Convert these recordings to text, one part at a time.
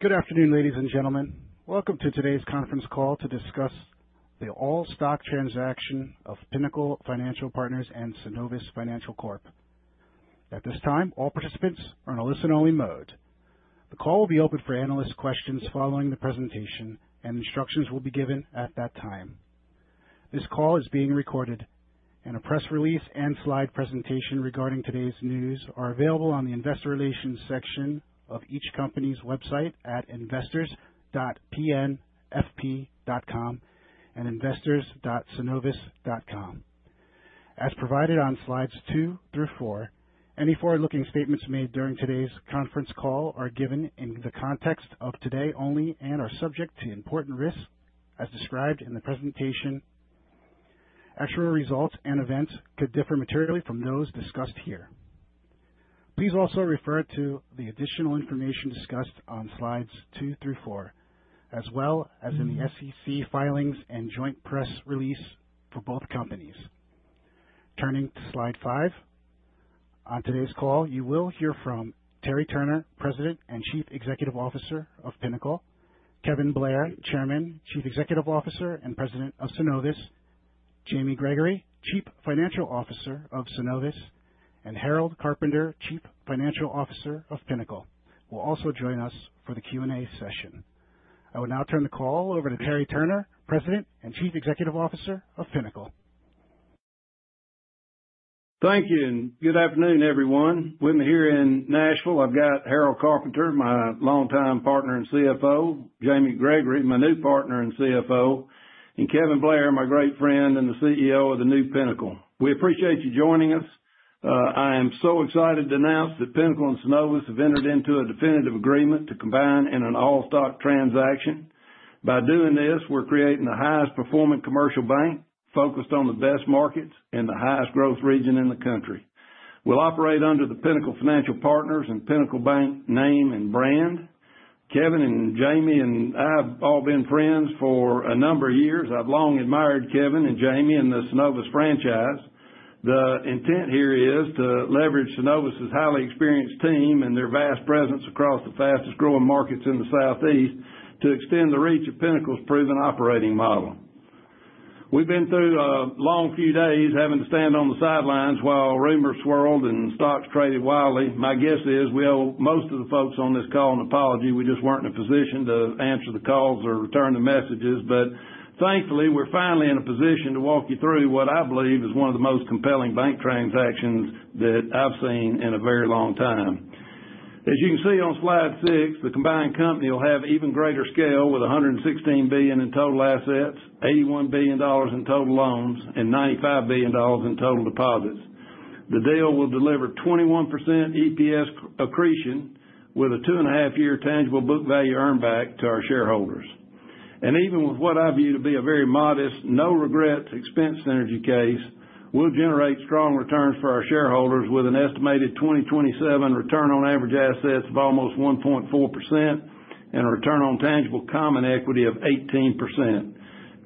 Good afternoon ladies and gentlemen. Welcome to today's conference call to discuss the all stock transaction of Pinnacle Financial Partners and Synovus Financial Corp. At this time, all participants are in a listen only mode. The call will be open for analysts' questions following the presentation, and instructions will be given at that time. This call is being recorded, and a press release and slide presentation regarding today's news are available on the investor relations section of each company's website at investors.pnfp.com and investors.synovus.com as provided on slides 2 through 4. Any forward looking statements made during today's conference call are given in the context of today only and are subject to important risks as described in the presentation. Actual results and events could differ materially from those discussed here. Please also refer to the additional information discussed on slides 2 through 4 as well as in the SEC filings and joint press release for both companies. Turning to slide 5, on today's call you will hear from Terry Turner, President and Chief Executive Officer of Pinnacle Financial Partners, Kevin Blair, Chairman, Chief Executive Officer and President of Synovus, Jamie Gregory, Chief Financial Officer of Synovus, and Harold Carpenter, Chief Financial Officer of Pinnacle, will also join us for the Q and A session. I will now turn the call over to Terry Turner, President and Chief Executive Officer of Pinnacle. Thank you and good afternoon everyone. With me here in Nashville I've got Harold Carpenter, my longtime partner and CFO, Jamie Gregory, my new partner and CFO, and Kevin Blair, my great friend and the CEO of the new Pinnacle. We appreciate you joining us. I am so excited to announce that Pinnacle and Synovus have entered into a definitive agreement to combine in an all-stock transaction. By doing this, we're creating the highest performing commercial bank focused on the best markets and the highest growth region in the country. We'll operate under the Pinnacle Financial Partners and Pinnacle Bank name and brand. Kevin and Jamie and I have all been friends for a number of years. I've long admired Kevin and Jamie and the Synovus franchise. The intent here is to leverage Synovus' highly experienced team and their vast presence across the fastest growing markets in the Southeast to extend the reach of Pinnacle's proven operating model. We've been through a long few days having to stand on the sidelines while rumors swirled and stocks traded wildly. My guess is we owe most of the folks on this call an apology. We just weren't in a position to answer the calls or return the messages. Thankfully, we're finally in a position to walk you through what I believe is one of the most compelling bank transactions that I've seen in a very long time. As you can see on slide 6, the combined company will have even greater scale, with $116 billion in total assets, $81 billion in total loans, and $95 billion in total deposits. The deal will deliver 21% EPS accretion with a 2.5 year tangible book value earnback to our shareholders. Even with what I view to be a very modest no-regret expense synergy case, we'll generate strong returns for our shareholders with an estimated 2027 return on average assets of almost 1.4% and a return on tangible common equity of 18%.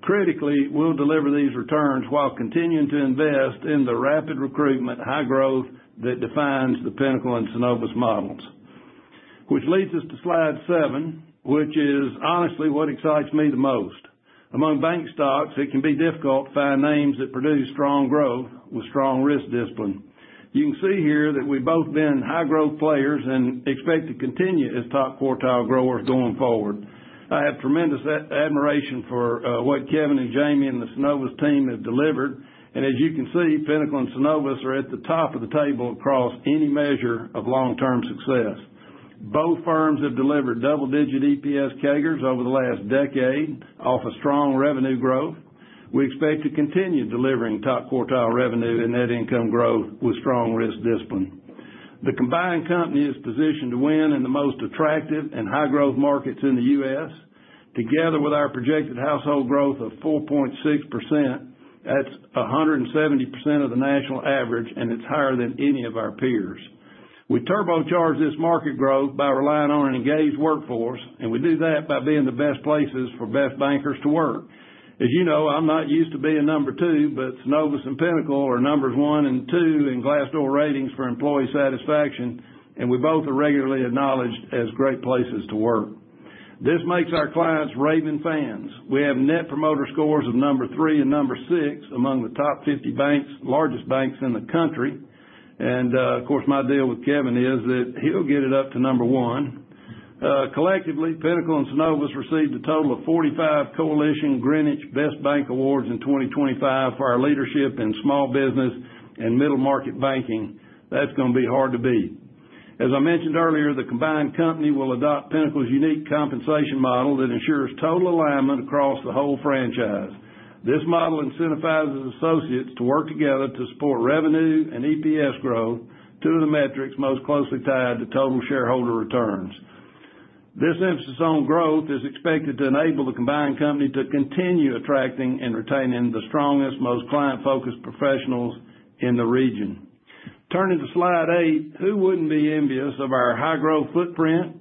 Critically, we'll deliver these returns while continuing to invest in the rapid recruitment high growth that defines the Pinnacle and Synovus models. Which leads us to slide 7, which is honestly what excites me the most. Among bank stocks, it can be difficult to find names that produce strong growth with strong risk discipline. You can see here that we've both been high growth players and expect to continue as top quartile growers going forward. I have tremendous admiration for what Kevin and Jamie and the Synovus team have delivered. As you can see, Pinnacle and Synovus are at the top of the table across any measure of long-term success. Both firms have delivered double-digit EPS CAGRs over the last decade. Off of strong revenue growth, we expect to continue delivering top quartile revenue and net income growth with strong risk discipline. The combined company is positioned to win in the most attractive and high-growth markets in the U.S. Together with our projected household growth of 4.6%, that's 170% of the national average and it's higher than any of our peers. We turbocharge this market growth by relying on an engaged workforce and we do that by being the best places for best bankers to work. As you know, I'm not used to being number two. Synovus and Pinnacle are numbers one and two in Glassdoor ratings for employee satisfaction and we both are regularly acknowledged as great places to work. This makes our clients raving fans. We have net promoter scores of number three and number six among the top 50 largest banks in the country. My deal with Kevin is that he'll get it up to number one. Collectively, Pinnacle and Synovus received a total of 45 Coalition Greenwich Best Bank Awards in 2025 for our leadership in small business and middle market banking. That's going to be hard to beat. As I mentioned earlier, the combined company will adopt Pinnacle's unique compensation model that ensures total alignment across the whole franchise. This model incentivizes associates to work together to support revenue and EPS growth, two of the metrics most closely tied to total shareholder returns. This emphasis on growth is expected to enable the combined company to continue attracting and retaining the strongest, most client-focused professionals in the region. Turning to slide 8, who wouldn't be envious of our high-growth footprint,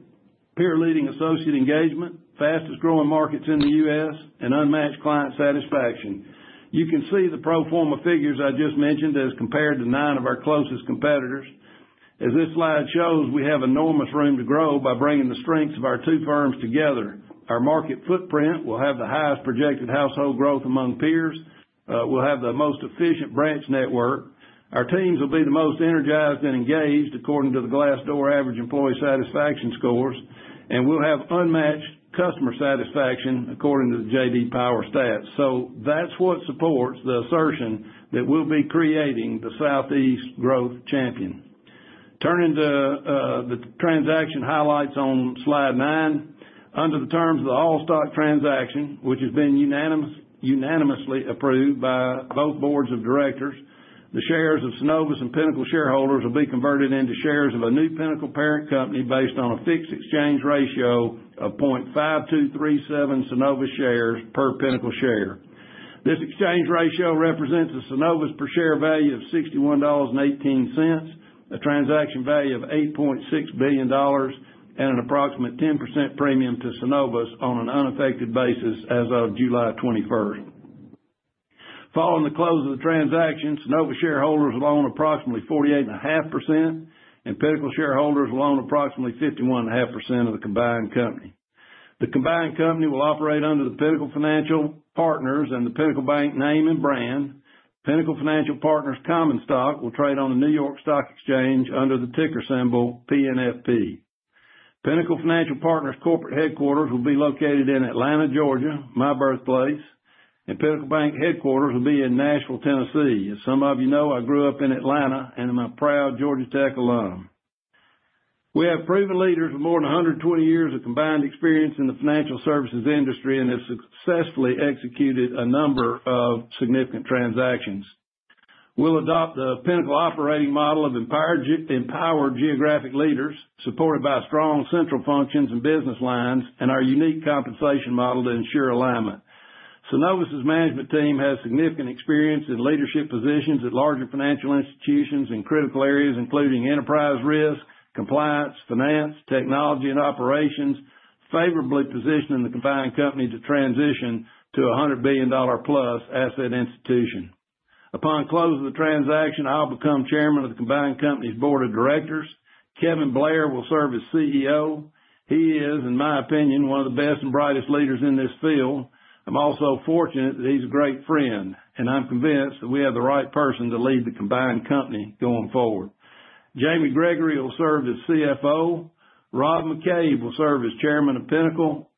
peer-leading associate engagement, fastest-growing markets in the U.S., and unmatched client satisfaction? You can see the pro forma figures I just mentioned as compared to nine of our closest competitors. As this slide shows, we have enormous room to grow by bringing the strengths of our two firms together. Our market footprint will have the highest projected household growth among peers, we will have the most efficient branch network, our teams will be the most energized and engaged according to the Glassdoor average employee satisfaction scores, and we will have unmatched customer satisfaction according to the J.D. Power stats. That's what supports the assertion that we'll be creating the Southeast growth champion. Turning to the transaction highlights on slide 9, under the terms of the all stock transaction, which has been unanimously approved by both Boards of Directors, the shares of Synovus and Pinnacle shareholders will be converted into shares of a new Pinnacle parent company based on a fixed exchange ratio of 0.5237 Synovus shares per Pinnacle share. This exchange ratio represents a Synovus per share value of $61.18, a transaction value of $8.6 billion, and an approximate 10% premium to Synovus on an unaffected basis as of July 21. Following the close of the transaction, Synovus shareholders will own approximately 48.5% and Pinnacle shareholders will own approximately 51.5% of the combined company. The combined company will operate under the Pinnacle Financial Partners and the Pinnacle Bank name and brand. Pinnacle Financial Partners common stock will trade on the New York Stock Exchange under the ticker symbol PNFP. Pinnacle Financial Partners corporate headquarters will be located in Atlanta, Georgia, my birthplace, and Pinnacle Bank headquarters will be in Nashville, Tennessee. As some of you know, I grew up in Atlanta and am a proud Georgia Tech alumni. We have proven leaders with more than 120 years of combined experience in the financial services industry and have successfully executed a number of significant transactions. We'll adopt the Pinnacle operating model of empowered geographic leaders supported by strong central functions and business lines and our unique compensation model to ensure alignment. The Synovus management team has significant experience in leadership positions at larger financial institutions in critical areas including enterprise risk, compliance, finance, technology, and operations, favorably positioning the combined company to transition to a $100 billion+ asset institution. Upon close of the transaction, I'll become Chairman of the combined company's Board of Directors. Kevin Blair will serve as CEO. He is, in my opinion, one of the best and brightest leaders in this field. I'm also fortunate that he's a great friend, and I'm convinced that we have the right person to lead the combined company going forward. Jamie Gregory will serve as CFO. Rob McCabe, who is the Chairman of Pinnacle,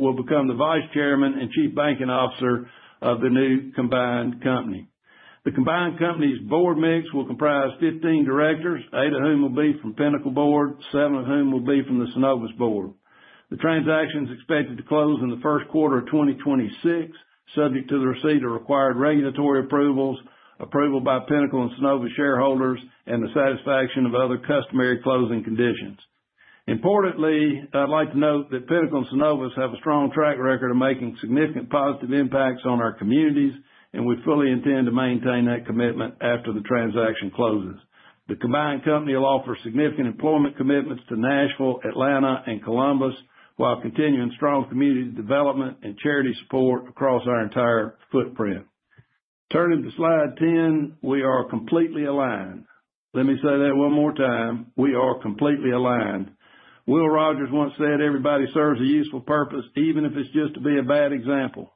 will become the Vice Chairman and Chief Banking Officer of the new combined company. The combined company's board mix will comprise 15 directors, eight of whom will be from the Pinnacle board, seven of whom will be from the Synovus board. The transaction is expected to close in the first quarter of 2026, subject to the receipt of required regulatory approvals, approval by Pinnacle and Synovus shareholders, and the satisfaction of other customary closing conditions. Importantly, I'd like to note that Pinnacle and Synovus have a strong track record of making significant positive impacts on our communities, and we fully intend to maintain that commitment. After the transaction closes, the combined company will offer significant employment commitments to Nashville, Atlanta, and Columbus, while continuing strong community development and charity support across our entire footprint. Turning to slide 10. We are completely aligned. Let me say that one more time. We are completely aligned. Will Rogers once said, everybody serves a useful purpose, even if it's just to be a bad example.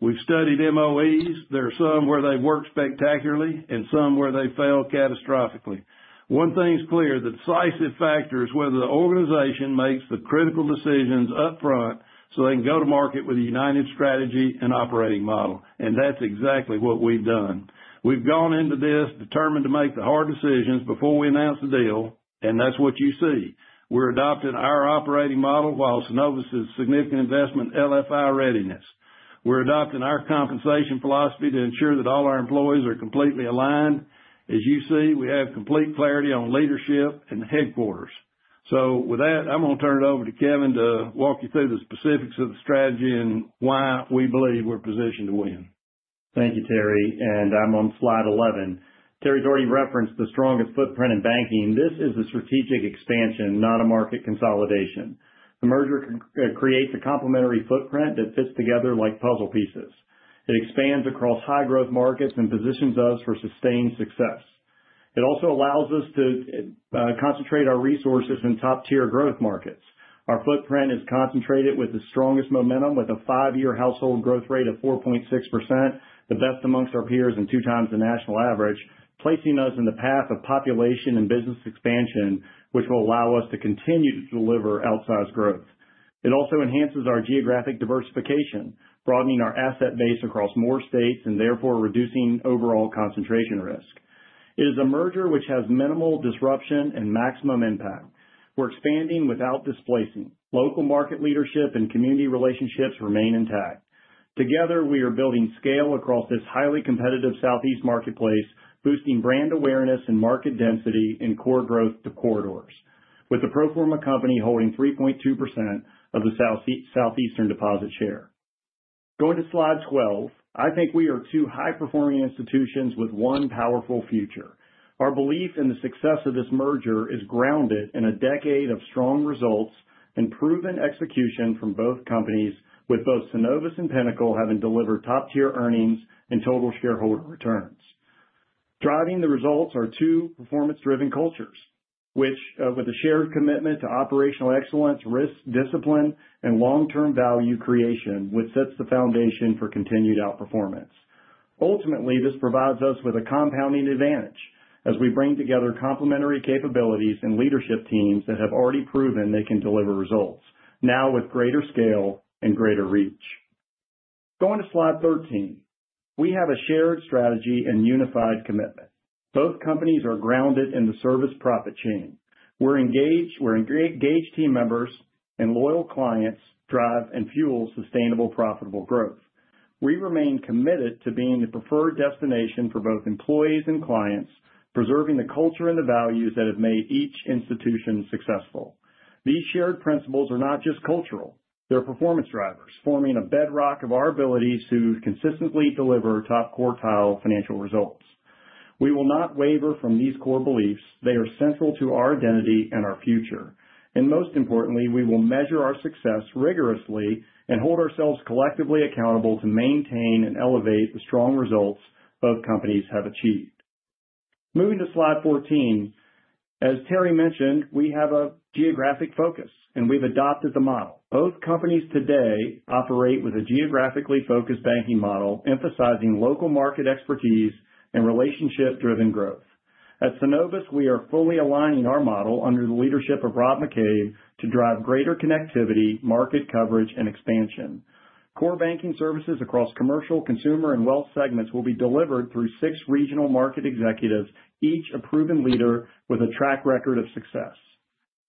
We've studied mergers. There are some where they work spectacularly and some where they fail catastrophically. One thing is clear. The decisive factor is whether the organization makes the critical decisions up front so they can go to market with a united strategy and operating model. That's exactly what we've done. We've gone into this determined to make the hard decisions before we announce the deal. That's what you see. We've adopted our operating model. While Synovus is significant investment, LFI readiness, we're adopting our compensation philosophy to ensure that all our employees are completely aligned. As you see, we have complete clarity on leadership and headquarters. With that, I'm going to turn it over to Kevin to walk you through the specifics of the strategy and why we believe we're positioned to win. Thank you, Terry. I'm on slide 11. Terry's already referenced the strongest footprint in banking. This is a strategic expansion, not a market consolidation. The merger creates a complementary footprint that fits together like puzzle pieces. It expands across high growth markets and positions us for sustained success. It also allows us to concentrate our resources in top tier growth markets. Our footprint is concentrated with the strongest momentum, with a five-year household growth rate of 4.6%, the best amongst our peers and two times the national average, placing us in the path of population and business expansion, which will allow us to continue to deliver outsized growth. It also enhances our geographic diversification, broadening our asset base across more states and therefore reducing overall concentration risk. It is a merger which has minimal disruption and maximum impact. We're expanding without displacing local market leadership, and community relationships remain intact. Together we are building scale across this highly competitive Southeast marketplace, boosting brand awareness and market density in core growth corridors. With the pro forma company holding 3.2% of the Southeastern deposit share, going to slide 12, I think we are two high performing institutions with one powerful future. Our belief in the success of this merger is grounded in a decade of strong results and proven execution from both companies, with both Pinnacle having delivered top tier earnings and total shareholder returns. Driving the results are two performance-driven cultures, with a shared commitment to operational excellence, risk discipline, and long-term value creation, which sets the foundation for continued outperformance. Ultimately, this provides us with a compounding advantage as we bring together complementary capabilities and leadership teams that have already proven they can deliver results, now with greater scale and greater reach. Going to slide 13, we have a shared strategy and unified commitment. Both companies are grounded in the service profit chain, where engaged team members and loyal clients drive and fuel sustainable, profitable growth. We remain committed to being the preferred destination for both employees and clients, preserving the culture and the values that have made each institution successful. These shared principles are not just cultural, they're performance drivers forming a bedrock of our abilities to consistently deliver top quartile financial results. We will not waver from these core beliefs. They are central to our identity and our future. Most importantly, we will measure our success rigorously and hold ourselves collectively accountable to maintain and elevate the strong results both companies have achieved. Moving to slide 14, as Terry mentioned, we have a geographic focus and we've adopted the model. Both companies today operate with a geographically focused banking model emphasizing local market expertise and relationship-driven growth. At Synovus, we are fully aligning our model under the leadership of Rob McCabe to drive greater connectivity, market coverage, and expansion. Core banking services across commercial, consumer, and wealth segments will be delivered through six regional market executives, each a proven leader with a track record of success.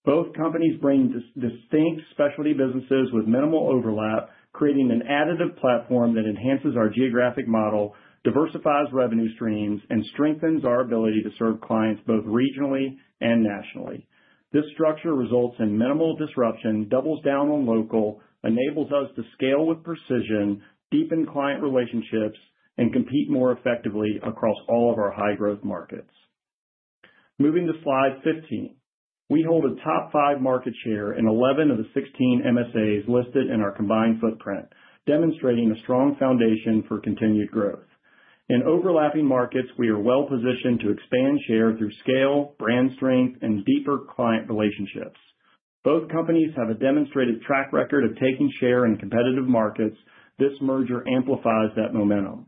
Both companies bring distinct specialty businesses with minimal overlap, creating an additive platform that enhances our geographic model, diversifies revenue streams, and strengthens our ability to serve clients both regionally and nationally. This structure results in minimal disruption, doubles down on local, enables us to scale with precision, deepen client relationships, and compete more effectively across all of our high growth markets. Moving to slide 15, we hold a top 5 market share in 11 of the 16 MSAs listed in our combined footprint, demonstrating a strong foundation for continued growth in overlapping markets. We are well positioned to expand share through scale, brand strength, and deeper client relationships. Both companies have a demonstrated track record of taking share in competitive markets. This merger amplifies that momentum.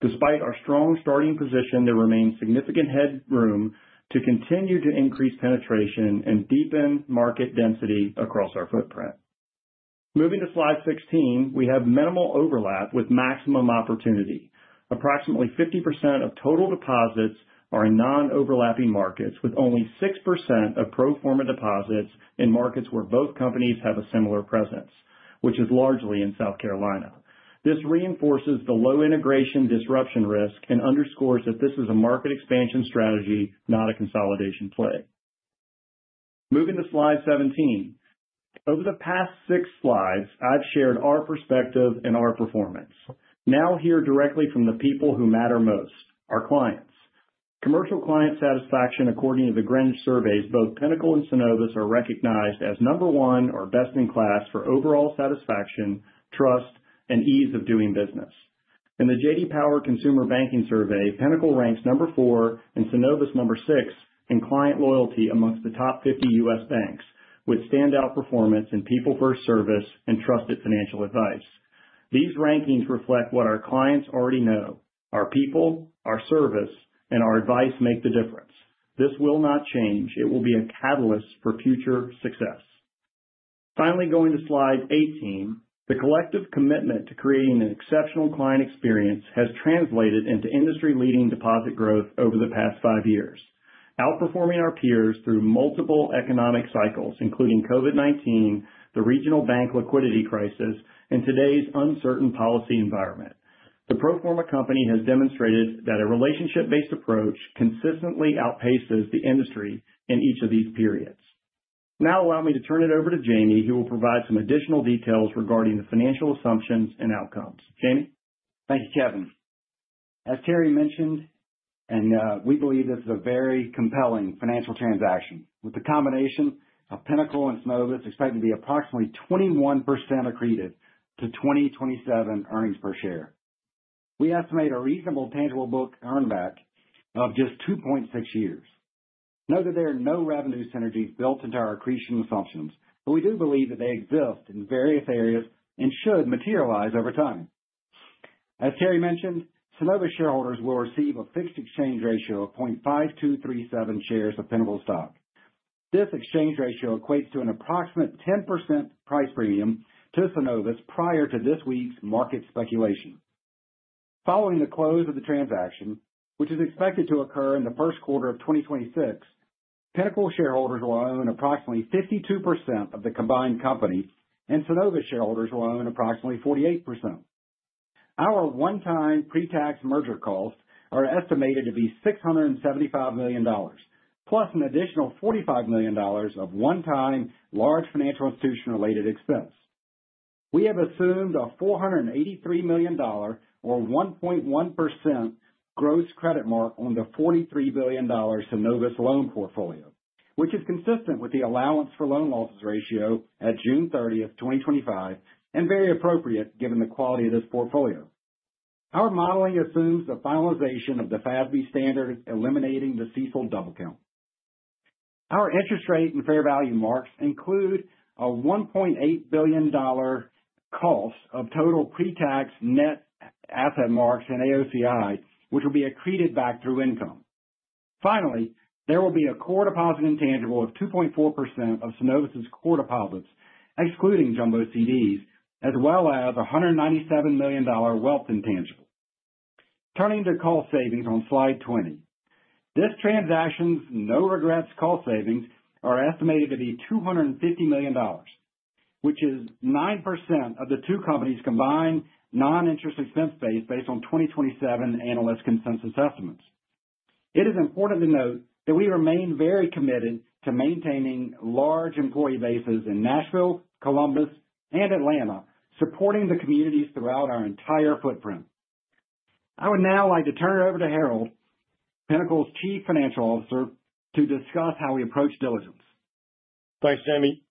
Despite our strong starting position, there remains significant headroom to continue to increase penetration and deepen market density across our footprint. Moving to slide 16, we have minimal overlap with maximum opportunity. Approximately 50% of total deposits are in non-overlapping markets, with only 6% of pro forma deposits in markets where both companies have a similar presence, which is largely in South Carolina. This reinforces the low integration disruption risk and underscores that this is a market expansion strategy, not a consolidation play. Moving to slide 17. Over the past six slides I've shared our perspective and our performance. Now hear directly from the people who matter most, our clients. Commercial Client Satisfaction. According to the Greenwich surveys, both Pinnacle and Synovus are recognized as number one or best in class for overall satisfaction, trust, and ease of doing business. In the J.D. Power consumer banking survey, Pinnacle ranks number four and Synovus number six in client loyalty among the top 50 U.S. banks, with standout performance in people first service and trusted financial advice. These rankings reflect what our clients already know. Our people, our service, and our advice make the difference. This will not change. It will be a catalyst for future success. Finally, going to slide 18, the collective commitment to creating an exceptional client experience has translated into industry-leading deposit growth over the past five years, outperforming our peers through multiple economic cycles including COVID-19, the regional bank liquidity crisis, and today's uncertain policy environment. The pro forma company has demonstrated that a relationship-based approach consistently outpaces the industry in each of these periods. Now allow me to turn it over to Jamie, who will provide some additional details regarding the financial assumptions and outcomes. Jamie? Thanks, Kevin. As Terry mentioned, and we believe this is a very compelling financial transaction. With the combination of Pinnacle and Synovus expecting to be approximately 21% accretive to 2027 earnings per share, we estimate a reasonable tangible book earnback of just 2.6 years. Note that there are no revenue synergies built into our accretion assumptions, but we do believe that they exist in various areas and should materialize over time. As Terry mentioned, Synovus shareholders will receive a fixed exchange ratio of 0.5237 shares of Pinnacle stock. This exchange ratio equates to an approximate 10% price premium to Synovus prior to this week's market speculation. Following the close of the transaction, which is expected to occur in the first quarter of 2026, Pinnacle shareholders will own approximately 52% of the combined company and Synovus shareholders will own approximately 48%. Our one-time pre-tax merger costs are estimated to be $675 million + an additional $45 million of one-time large financial institution related expense. We have assumed a $483 million or 1.1% gross credit mark on the $43 billion Synovus loan portfolio, which is consistent with the allowance for loan losses ratio at June 30, 2025, and very appropriate given the quality of this portfolio. Our modeling assumes the finalization of the FASB standard eliminating the CECL double counter. Our interest rate and fair value marks include a $1.8 billion cost of total pre-tax net asset marks in AOCI, which will be accreted back through income. Finally, there will be a core deposit intangible of 2.4% of Synovus core deposits excluding jumbo CDs, as well as $197 million wealth intangible. Turning to cost savings on slide 20, this transaction's no-regrets cost savings are estimated to be $250 million, which is 9% of the two companies' combined non-interest expense base based on 2027 analyst consensus estimates. It is important to note that we remain very committed to maintaining large employee bases in Nashville, Columbus, and Atlanta, supporting the communities throughout our entire footprint. I would now like to turn it over to Harold, Pinnacle's Chief Financial Officer, to discuss how we approach diligence. Thanks Jamie.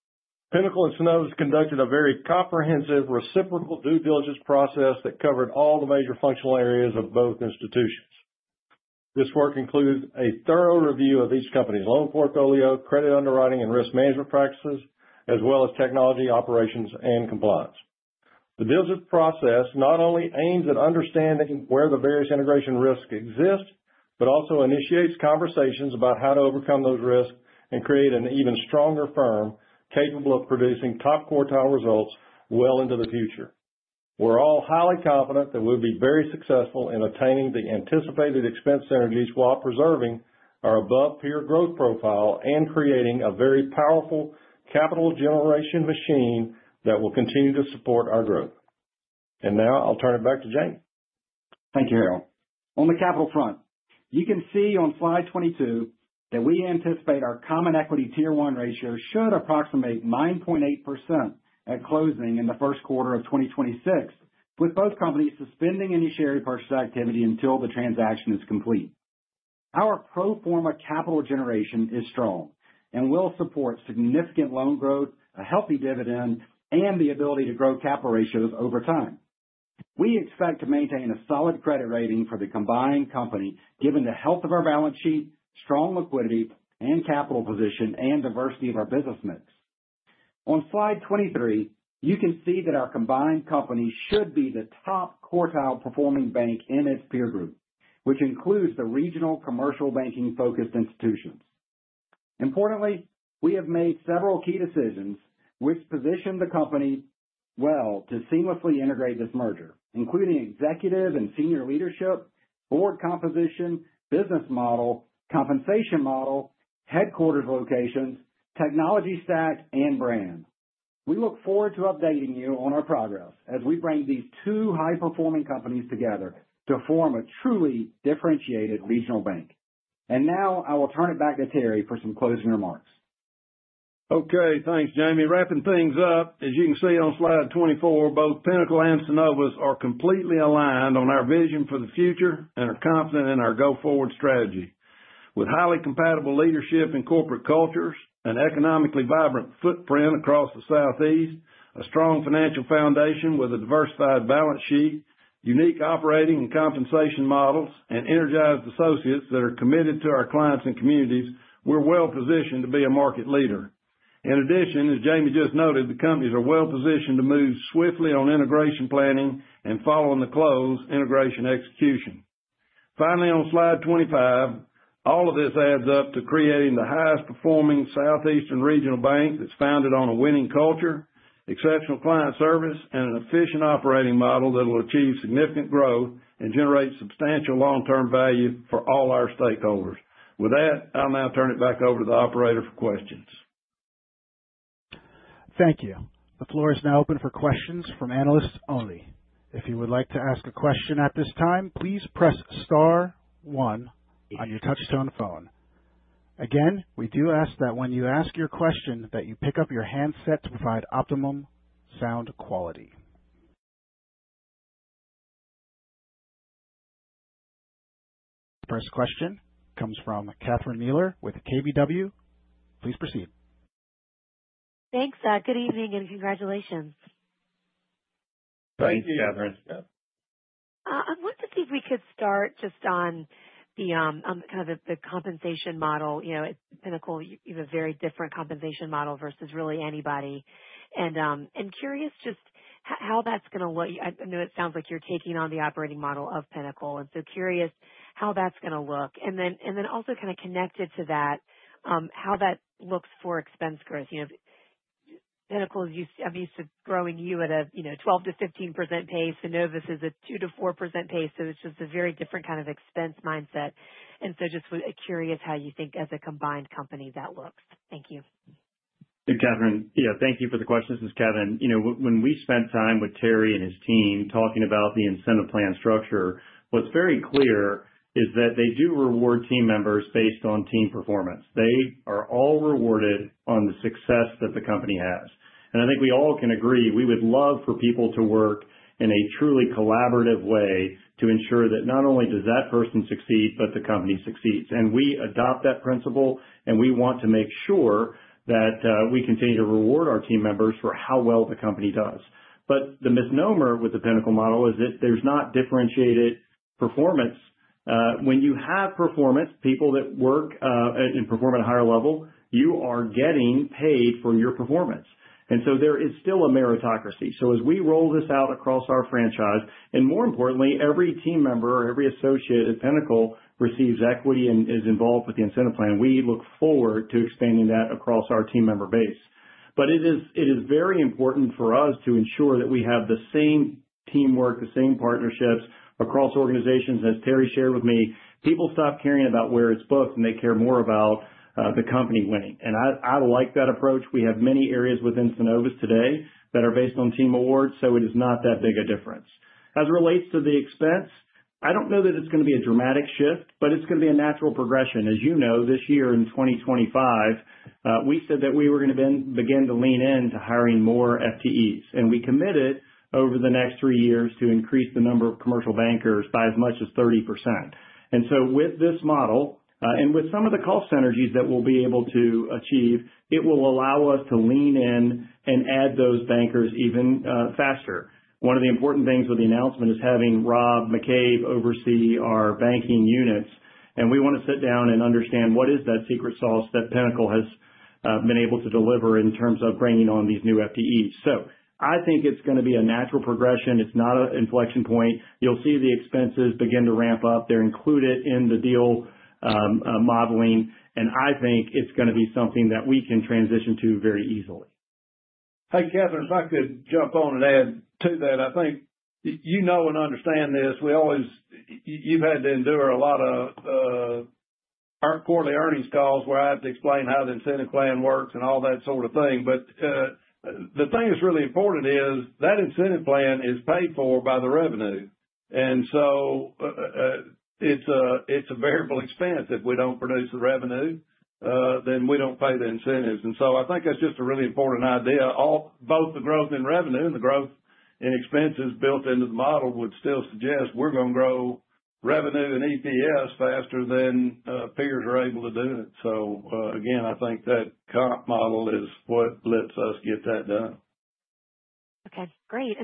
Pinnacle and Synovus has conducted a very comprehensive reciprocal due diligence process that covered all the major functional areas of both institutions. This work includes a thorough review of each company's loan portfolio, credit underwriting and risk management practices, as well as technology, operations, and compliance. The due diligence process not only aims at understanding where the various integration risk exists, but also initiates conversations about how to overcome those risks and create an even stronger firm capable of producing top quartile. Results well into the future. We're all highly confident that we'll be very successful in obtaining the anticipated expense. Synergies while preserving our above-peer growth profile and creating a very powerful capital generation machine that will continue to support our growth. I will turn it back to Jamie. Thank you, Harold. On the capital front, you can see on Slide 22 that we anticipate our common equity Tier 1 ratio should approximate 9.8% at closing in the first quarter of 2026 with both companies suspending any share repurchase activity until the transaction is complete. Our pro forma capital generation is strong and will support significant loan growth, a healthy dividend, and the ability to grow capital ratios over time. We expect to maintain a solid credit rating for the combined company given the health of our balance sheet, strong liquidity and capital position, and diversity of our business mix. On slide 23, you can see that our combined company should be the top quartile performing bank in its peer group, which includes the regional commercial banking focused institutions. Importantly, we have made several key decisions which position the company well to seamlessly integrate this merger, including executive and senior leadership, board composition, business model, compensation model, headquarters locations, technology stack, and brand. We look forward to updating you on our progress as we bring these two high performing companies together to form a truly differentiated regional bank. I will turn it back to Terry for some closing remarks. Okay, thanks Jamie. Wrapping things up. As you can see on slide 24, both Pinnacle and Synovus are completely aligned on our vision for the future and are confident in our go forward strategy. With highly compatible leadership in corporate cultures, an economically vibrant footprint across the Southeast, a strong financial foundation with a diversified balance sheet, unique operating and compensation models, and energized associates that are committed to our clients and communities, we're well positioned to be a market leader. In addition, as Jamie just noted, the companies are well positioned to move swiftly on integration planning and, following the close, integration execution. Finally, on slide 25, all of this adds up to creating the highest performing southeastern regional bank that's founded on a winning culture, exceptional client service, and an efficient operating model that will achieve significant growth and generate substantial long term value for all our stakeholders. With that, I'll now turn it back over to the operator for questions. Thank you. The floor is now open for questions from analysts only. If you would like to ask a question at this time, please press Star one on your touchtone phone. Again, we do ask that when you ask your question that you pick up your handset to provide optimum sound quality. First question comes from Catherine Mealor with KBW. Please proceed. Thanks. Good evening and congratulations. Thanks, Katherine. I wanted to see if we. Could start just on the compensation model. At Pinnacle, you have a very different compensation model versus really anybody. I'm curious just how that's going to look. I know it sounds like you're taking on the operating model of Pinnacle, and so curious how that's going to look. Also, kind of connected to that, how that looks for expense growth. Pinnacle is, I'm used to growing you at a 12%-15% pace. Synovus is a 2%-4% pace. It's just a very different kind of expense mindset. Just curious how you think as a combined company that looks. Thank you. Catherine, thank you for the question. This is Kevin. When we spent time with Terry and his team talking about the incentive plan structure, what's very clear is that they do reward team members based on team performance. They are all rewarded on the success that the company has. I think we all can agree we would love for people to work in a truly collaborative way to ensure that not only does that person succeed, but the company succeeds. We adopt that principle, and we want to make sure that we continue to reward our team members for how well the company does. The misnomer with the Pinnacle model is that there's not differentiated performance. When you have performance people that work and perform at a higher level, you are getting paid for your performance, and so there is still a meritocracy. As we roll this out across our franchise, and more importantly, every team member, every associate at Pinnacle receives equity and is involved with the incentive plan. We look forward to expanding that across our team member base. It is very important for us to ensure that we have the same teamwork, the same partnerships across organizations. As Terry shared with me, people stop caring about where it's booked and they care more about the company winning. I like that approach. We have many areas within Synovus today that are based on team awards, so it is not that big a difference as it relates to the expense. I don't know that it's going to be a dramatic shift, but it's going to be a natural progression. As you know, this year in 2025, we said that we were going to begin to lean into hiring more FTEs. We committed over the next three years to increase the number of commercial bankers by as much as 30%. With this model and with some of the cost synergies that we'll be able to achieve, it will allow us to lean in and add those bankers even faster. One of the important things with the announcement is having Rob McCabe oversee our banking units. We want to sit down and understand what is that secret sauce that Pinnacle has been able to deliver in terms of bringing on these new FTEs. I think it's going to be a natural progression. It's not an inflection point. You'll see the expenses begin to ramp up. They're included in the deal modeling, and I think it's going to be something that we can transition to very easily. Hey Catherine, if I could jump on and add to that, I think you know and understand this. We always, you've had to endure a lot of quarterly earnings calls where I have to explain how the incentive plan works and all that sort of thing. The thing that's really important is that incentive plan is paid for by the revenue. And so it's a variable expense. If we don't produce the revenue, then we don't pay the incentives. I think that's just a really important idea. Both the growth in revenue and the growth in expenses built into the model would still suggest we're going to grow revenue and EPS faster than peers are able to do it. I think that comp model. Is what lets us get that done. Okay, great.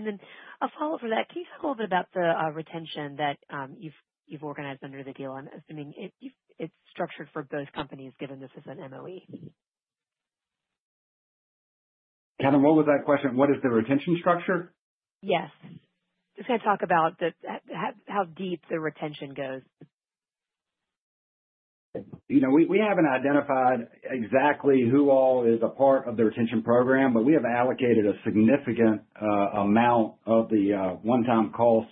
A follow up for that. Can you talk a little bit about the retention that you've organized under the deal? I'm assuming it's structured for both companies given this is an MOE? Catherine, what was that question? What is the retention structure? Yes, just going to talk about how deep the retention goes. We haven't identified exactly who all is a part of the retention program, but we have allocated a significant amount of the one-time cost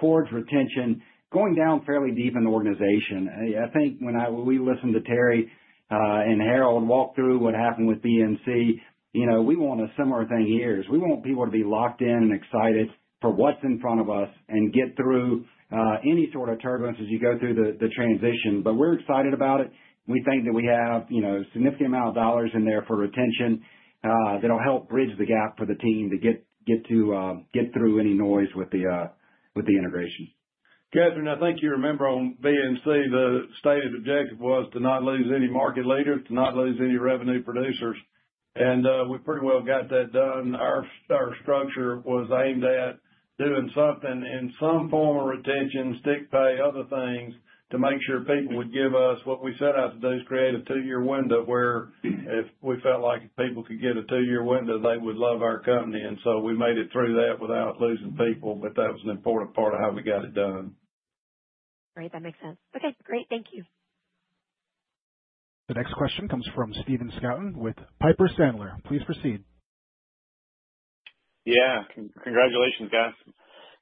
towards retention, going down fairly deep in the organization. I think when we listen to Terry and Harold walk through what happened with BNC, we want a similar thing here. We want people to be locked in and excited for what's in front of us and get through any sort of turbulence as you go through the transition. We're excited about it. We think that we have a significant amount of dollars in there for retention that will help bridge the gap for the team to get through any noise with the integration. Catherine, I think you remember on BNC the stated objective was to not lose any market leaders, to not lose any revenue producers. We pretty well got that done. Our structure was aimed at doing something in some form of retention stick pay, other things to make sure people would give us. What we set out to do is create a two year window where if we felt like if people could get a two year window, they would love our company. We made it through that without losing people. That was an important part of how we got it done. Great, that makes sense. Okay, great, thank you. The next question comes from Stephen Scouten with Piper Sandler. Please proceed. Yeah, congratulations guys.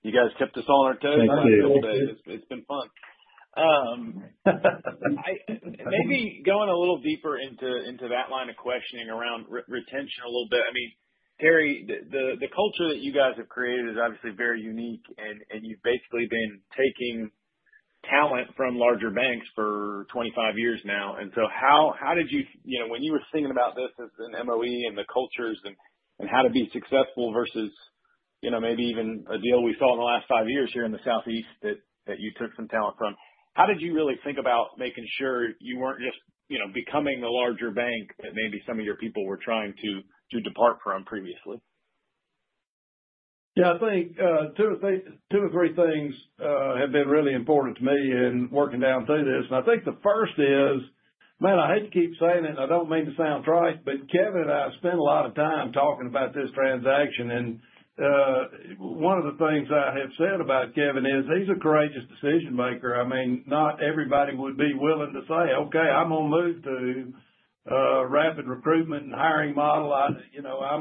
You guys kept us all on our toes. It's been fun maybe going a little deeper into that line of questioning around retention a little bit. I mean, Terry, the culture that you guys have created is obviously very unique and you've basically been taking talent from larger banks for 25 years now. How did you, when you were thinking about this as an MOE and the cultures and how to be successful versus maybe even a deal we saw in the last five years here in the Southeast that you took some talent from, how did you really think about making sure you weren't just becoming a larger bank that maybe some of your people were trying to depart from previously? Yeah, I think two or three things have been really important to me in working down through this. I think the first is, man, I hate to keep saying it and I don't mean to sound right, but Kevin and I spent a lot of time talking about this transaction. One of the things I have said about Kevin is he's a courageous decision maker. I mean, not everybody would be willing to say, okay, I'm going to move to rapid recruitment and hiring model. I'm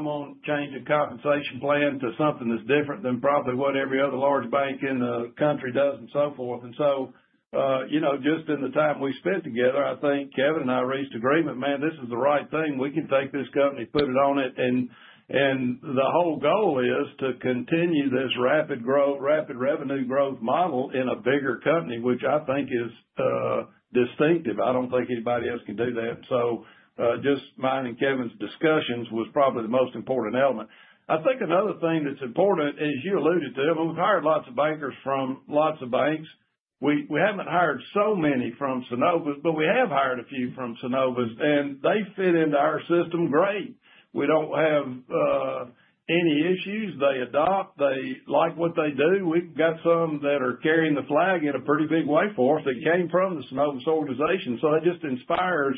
going to change a compensation plan to something that's different than probably what every other large bank in the country does and so forth. Just in the time we spent together, I think Kevin and I reached agreement. Man, this is the right thing. We can take this company, put it on it. The whole goal is to continue this rapid growth, rapid revenue growth model in a bigger company, which I think is distinctive. I don't think anybody else can do that. Just mine and Kevin's discussions was probably the most important element. I think another thing that's important, as you alluded to, we've hired lots of bankers from lots of banks. We haven't hired so many from Synovus, but we have hired a few from Synovus and they fit into our system great. We don't have any issues. They adopt, they like what they do. We've got some that are carrying the flag in a pretty big way for us that came from the Synovus organization. It just inspires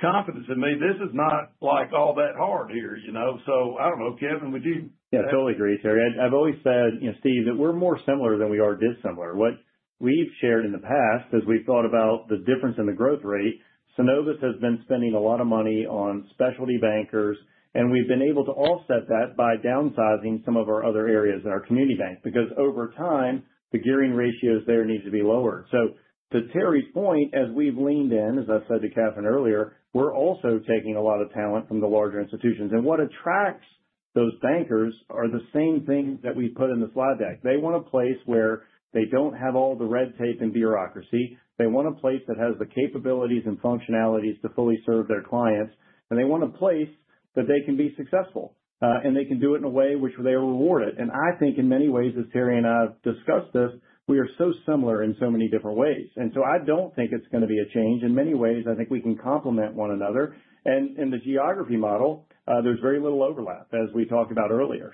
confidence in me. This is not like all that hard. I don't know. Kevin, would you. Yeah, totally agree, Terry. I've always said, Steve, that we're more similar than we are dissimilar. What we've shared in the past, as we thought about the difference in the growth rate, Synovus has been spending a lot of money on specialty bankers, and we've been able to offset that by downsizing some of our other areas in our community bank, because over time, the gearing ratios there need to be lowered. To Terry's point, as we've leaned in, as I said to Catherine earlier, we're also taking a lot of talent from the larger institutions. What attracts those bankers are the same things that we put in the slide deck. They want a place where they don't have all the red tape and bureaucracy. They want a place that has the capabilities and functionalities to fully serve their clients. They want a place that they can be successful and they can do it in a way which they are rewarded. I think in many ways, as. Terry and I have discussed this, we are so similar in so many different ways. I don't think it's going to be a change. In many ways, I think we can complement one another. In the geography model, there's very little overlap, as we talked about earlier.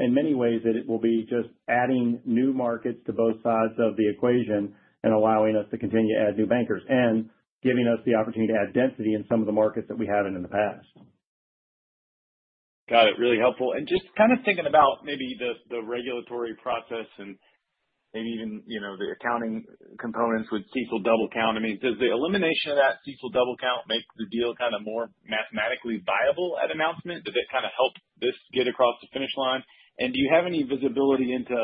In many ways, it will be just adding new markets to both sides of the equation and allowing us to continue to add new bankers and giving us the opportunity to add density in some of the markets that we haven't in the past. Got it. Really helpful and just kind of thinking about maybe the regulatory process and maybe even the accounting components with CECL double count? I mean, does the elimination of that CECL double count make the deal kind of more mathematically viable at announcement? Does it kind of help this get across the finish line? Do you have any visibility into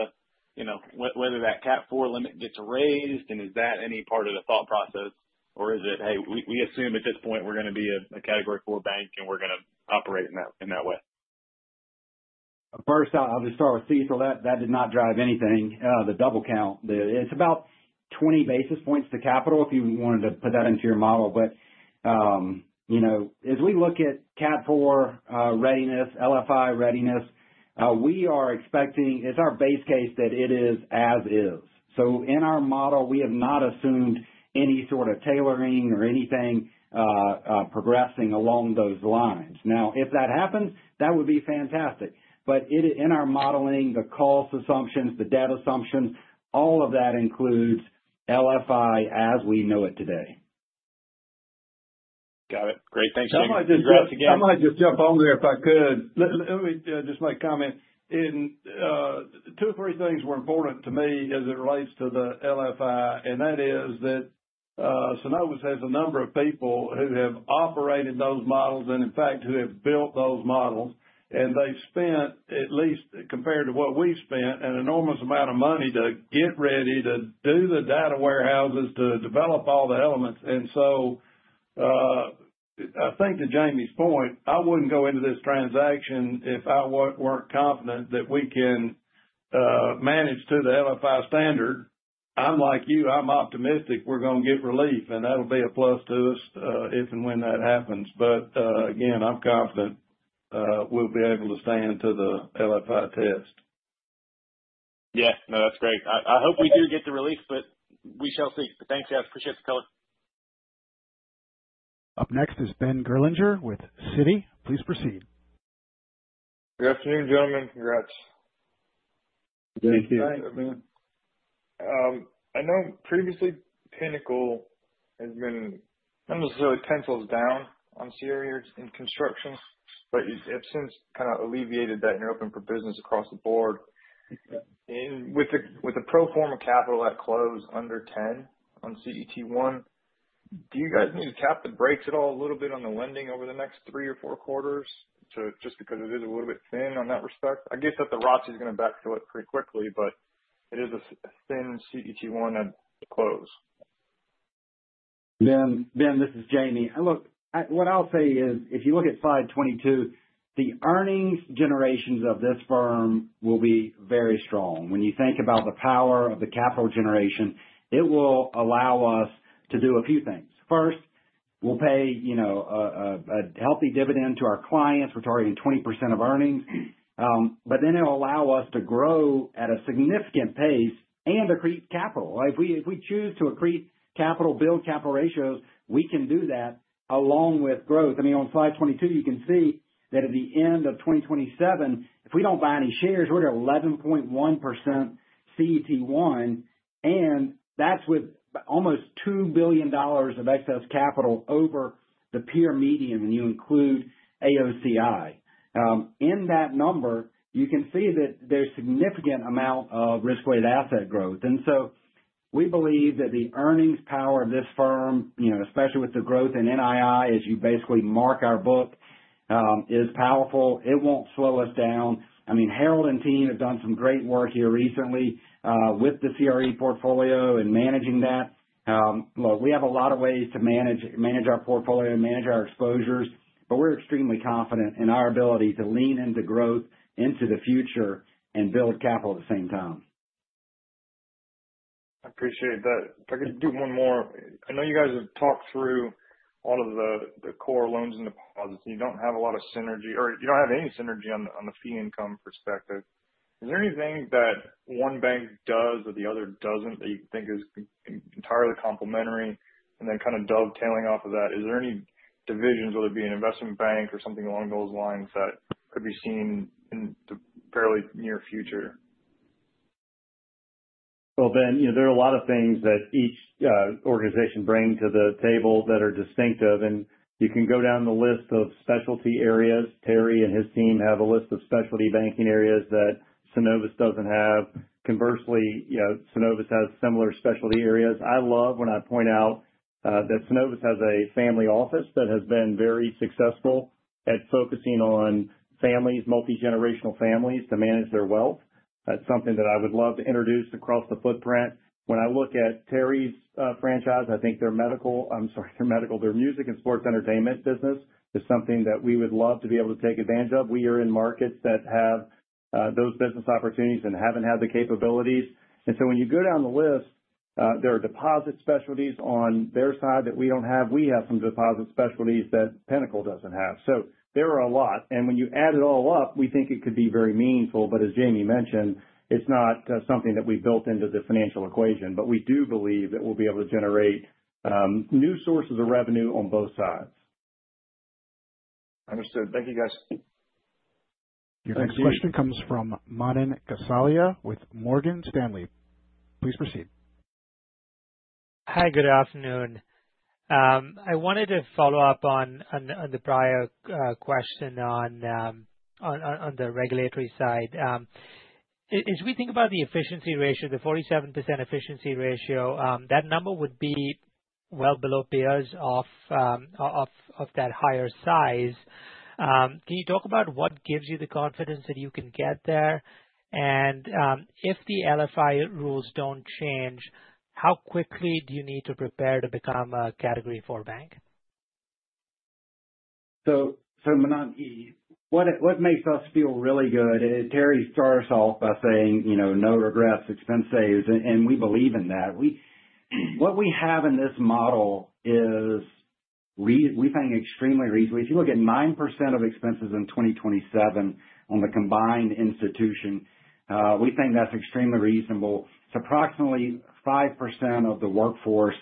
whether that CAT IV limit gets raised? Is that any part of the thought process or is it, hey, we assume at this point we're going to be a Category IV bank and we're going to operate in that way? First, I'll just start with CECL. That did not drive anything. The double count, it's about 20 basis points to capital, if you wanted to put that into your model. As we look at CAT IV readiness, LFI readiness, we are expecting it's our base case that it is as is. In our model, we have not assumed any sort of tailoring or anything progressing along those lines. If that happens, that would be fantastic. In our modeling, the cost assumptions, the debt assumptions, all of that includes LFI as we know it today. Got it. Great, thanks again. I might just jump on there if I could. Let me just make a comment. Two or three things were important to me as it relates to the LFI, and that is that Synovus has a number of people who have operated those models and in fact who have built those models. They spent, at least compared to what we spent, an enormous amount of money to get ready to do the data warehouses, to develop all the elements. I think, to Jamie's point, I wouldn't go into this transaction if I weren't confident that we can manage to the LFI standard. I'm like you, I'm optimistic we're going to get relief, and that'll be a plus to us if and when that happens. I'm confident we'll be able to stand to the LFI test. Yeah, no, that's great. I hope we do get the release. We shall see. Thanks, guys. Appreciate the color. Up next is Ben Gurlinger with Citi. Please proceed. Good afternoon, gentlemen. Congrats. Thank you. I know previously Pinnacle has been not necessarily pencils down on CRE and construction, but since kind of alleviated that, and you're open for business across the board. With the pro forma capital at close under 10% on CET1, do you guys need to tap the brakes at all a little bit on the lending over the next three or four quarters? Just because it is a little bit thin in that respect, I guess that the ROTCE is going to backfill it pretty quickly, but it is a thin CET1 close? Ben, this is Jamie. Look, what I'll say is if you look at slide 22, the earnings generations of this firm will be very strong. When you think about the power of the capital generation, it will allow us to do a few things. First, we'll pay a healthy dividend to our clients. We're targeting 20% of earnings, but then it'll allow us to grow at a significant pace and accrete capital. If we choose to accrete capital, build capital ratios, we can do that along with growth. I mean, on slide 22, you can see that at the end of 2027, if we don't buy any shares, we're at 11.1% CET1. That's with almost $2 billion of excess capital over the peer median. When you include AOCI in that number, you can see that there's significant amount of risk weighted asset growth. We believe that the earnings power of this firm, especially with the growth in NII, as you basically mark our book, is powerful. It won't slow us down. Harold and team have done some great work here recently with the CRE portfolio and managing that. Look, we have a lot of ways. To manage our portfolio, manage our exposures, we're extremely confident in our ability to lean into growth into the future and build capital at the same time. I appreciate that. If I could do one more. I know you guys have talked through all of the core loans and deposits. You don't have a lot of synergy or you don't have any synergy on the fee income perspective. Is there anything that one bank does or the other doesn't that you think is entirely complementary, and then kind of dovetailing off of that, is there any divisions, whether it be an investment bank or something along those lines, that could be seen in the fairly near future? There are a lot of things that each organization bring to the table that are distinctive, and you can go down the list of specialty areas. Terry and his team have a list of specialty banking areas that Synovus doesn't have. Conversely, Synovus has similar specialty areas. I love when I point out that Synovus has a family office that has been very successful at focusing on families, multigenerational families, to manage their wealth. That's something that I would love to introduce across the footprint. When I look at Terry's franchise, I think their medical, their music and sports entertainment business is something that we would love to be able to take advantage of. We are in markets that have those business opportunities and haven't had the capabilities. When you go down the. There are deposit specialties on their side that we don't have. We have some deposit specialties that Pinnacle doesn't have. There are a lot, and when you add it all up, we think it could be very meaningful. As Jamie mentioned, it's not something that we built into the financial equation, but we do believe that we'll be able to generate new sources of revenue on both sides. Understood. Thank you, guys. Your next question comes from Manan Gosalia with Morgan Stanley. Please proceed. I wanted to follow up on the prior question. On the regulatory side, as we think about the efficiency ratio, the 47% efficiency ratio, that number would be well below peers of that higher size. Can you talk about what gives you. The confidence that you can get there. If the LFI rules don't change, how quickly do you need to prepare to become a Category IV bank? What makes us feel really good, Terry starts off by saying, you know, no regrets, expense saves. We believe in that. What we have in this model is we think extremely reasonably. If you look at 9% of expenses in 2027 on the combined institution, we think that's extremely reasonable. It's approximately 5% of the workforce.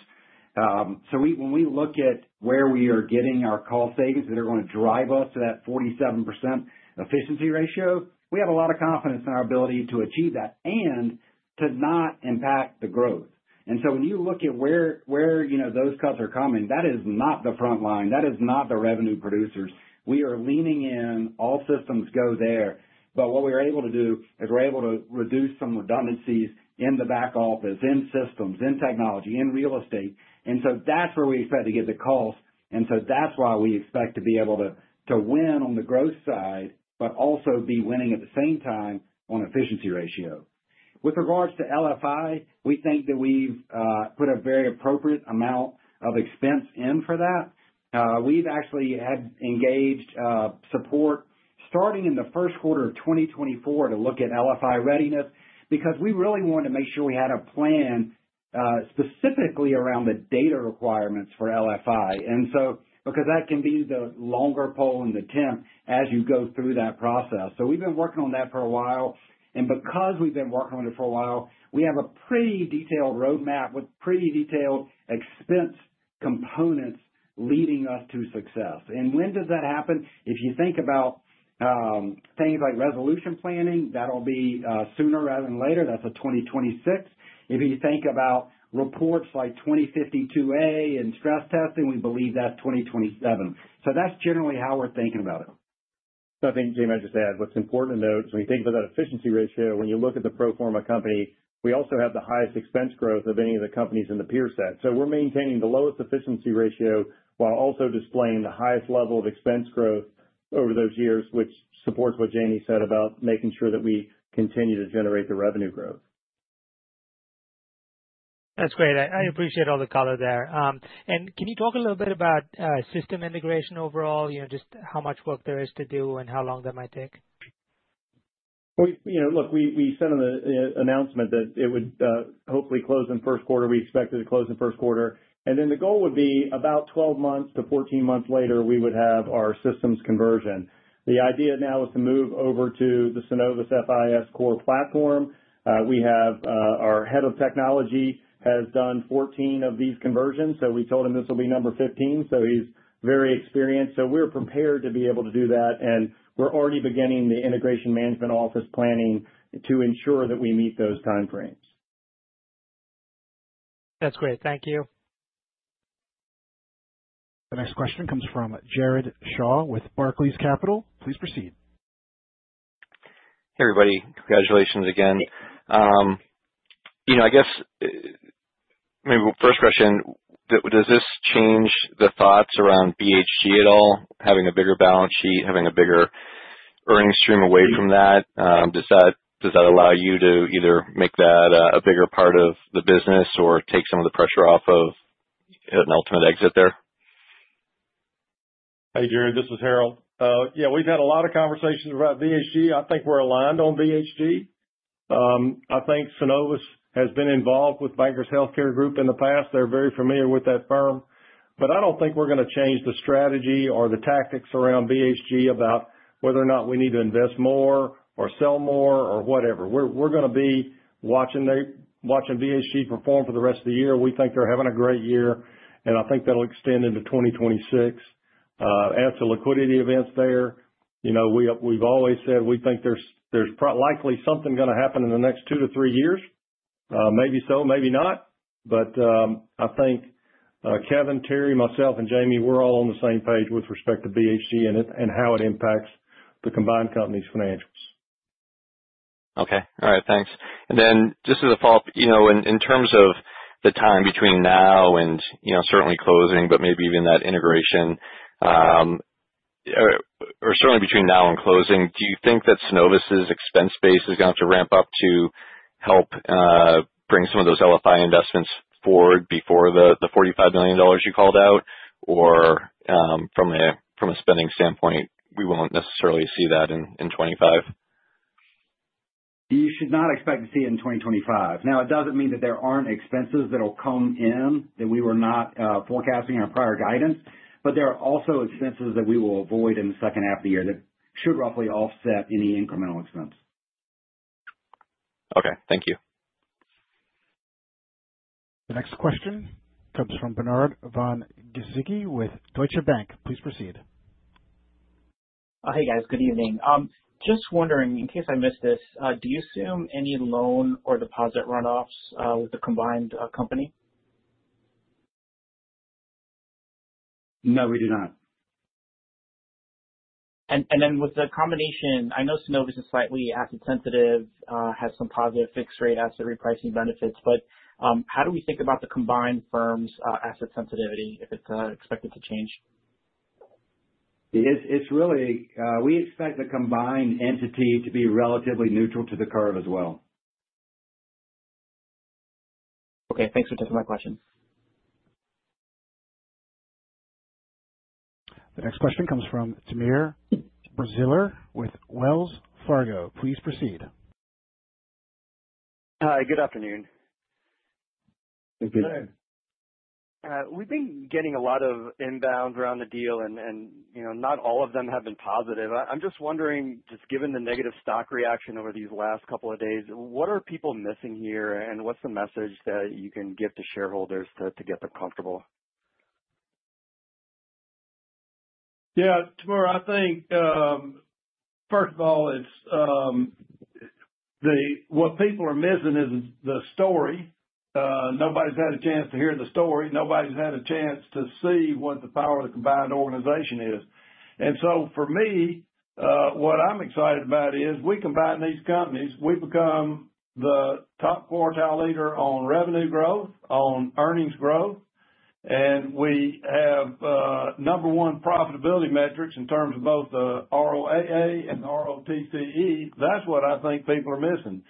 When we look at where we are getting our cost savings that are going to drive us to that 47% efficiency ratio, we have a lot of confidence in our ability to achieve that and to not impact the growth. When you look at where those cuts are coming, that is not the front line, that is not the revenue producers. We are leaning in, all systems go there. What we are able to do. We're able to reduce some redundancies in the back office, in systems, in technology, in real estate. That's where we expect to get the cost. That's why we expect to be able to win on the growth side, but also be winning at the same time on efficiency ratio. With regards to LFI, we think that we've put a very appropriate amount of expense in for that. We've actually had engaged support starting in the first quarter of 2024 to look at LFI readiness because we really wanted to make sure we had a plan specifically around the data requirements for LFI. That can be the longer poll in the tent as you go through that process. We've been working on that for a while. Because we've been working on it for a while, we have a pretty detailed roadmap with pretty detailed expense components leading us to success. When does that happen? If you think about things like resolution planning, that'll be sooner rather than later. That's a 2026. If you think about reports like 2052a and stress testing, we believe that's 2027. That's generally how we're thinking about. I think, Jamie, I'll just add what's important to note is when you think about that efficiency ratio, when you look at the pro forma company, we also have the highest expense growth of any of the companies in the peer set. We're maintaining the lowest efficiency ratio while also displaying the highest level of expense growth over those years, which supports what Jamie said about making sure that we continue to generate the revenue growth. That's great. I appreciate all the color there. Can you talk a little bit about system integration overall, just how much work there is to do and how? Long that might take? Look, we sent an announcement that it would hopefully close in first quarter. We expected to close in first quarter, and the goal would be about 12 months-14 months later we would have our systems conversion. The idea now is to move over to the Synovus FIS core platform. Our Head of Technology has done 14 of these conversions, so we told him this will be number 15. He's very experienced. We're prepared to be able to do that, and we're already beginning the integration management office planning to ensure that we meet those timeframes. That's great, thank you. The next question comes from Jared Shaw with Barclays Capital. Please proceed. Hey, everybody, congratulations again. I guess maybe first question, does this change the thoughts around BHG at all? Having a bigger balance sheet, having a bigger earnings stream away from that, does that allow you to either make that a bigger part of the business or take some of the pressure off of an ultimate exit there? Hey, Jared, this is Harold. Yeah, we've had a lot of conversations about LFI. I think we're aligned on BHG. I think Synovus has been involved with Bankers Healthcare Group in the pas they're very familiar with that firm. I don't think we're going to. Change the strategy or the tactics around BHG about whether or not we need to invest more or sell more or whatever. We're going to be watching BHG perform for the rest of the year, we think they're having a great year and I think that will extend into 2026, add to liquidity events there. We've always said we think there's likely something going to happen in the next two to three years. Maybe so, maybe not. I think Kevin, Terry, myself, and Jamie, we're all on the same page with respect to BHG and how it impacts the combined company's financials. Okay, all right, thanks. Just as a follow up, in terms of the time between now and certainly closing, but maybe even that integration or certainly between now and closing, do you think that Synovus expense base is going to have to ramp up to help bring some of those LFI investments forward before the $45 million you called out or from a spending standpoint, we won't necessarily see that in 2025? You should not expect to see it in 2025. Now, it doesn't mean that there aren't expenses that will come in that we were not forecasting in our prior guidance, but there are also expenses that we will avoid in the second half of the year that should roughly offset any incremental expense. Okay, thank you. The next question comes from Bernard Von Gizycki with Deutsche Bank. Please proceed. Hey, guys. Good evening. Just wondering, in case I missed this, do you assume any loan or deposit runoffs with the combined company? No, we do not. With the combination, I know Synovus is slightly asset sensitive, has some positive fixed rate asset repricing benefits, but how do we think about the combined firm's asset sensitivity if it's expected to change? We expect the combined entity to be relatively neutral to the curve as well. Okay, thanks for taking my question. The next question comes from Timur Braziler with Wells Fargo. Please proceed. Hi, good afternoon. We've been getting a lot of inbounds around the deal, and not all of them have been positive. I'm just wondering, just given the negative stock reaction over these last couple of days, what are people missing here, and what's the message that you can give to shareholders to get them comfortable? Yeah, Timur, I think first of all, what people are missing is the story. Nobody's had a chance to hear the story. Nobody's had a chance to see what the power of the combined organization is. For me, what I'm excited about is we combine these companies, we become the top quartile leader on revenue growth, on earnings growth, and we have number one profitability metrics in terms of both the ROAA and ROTCE. That's what I think people are missing.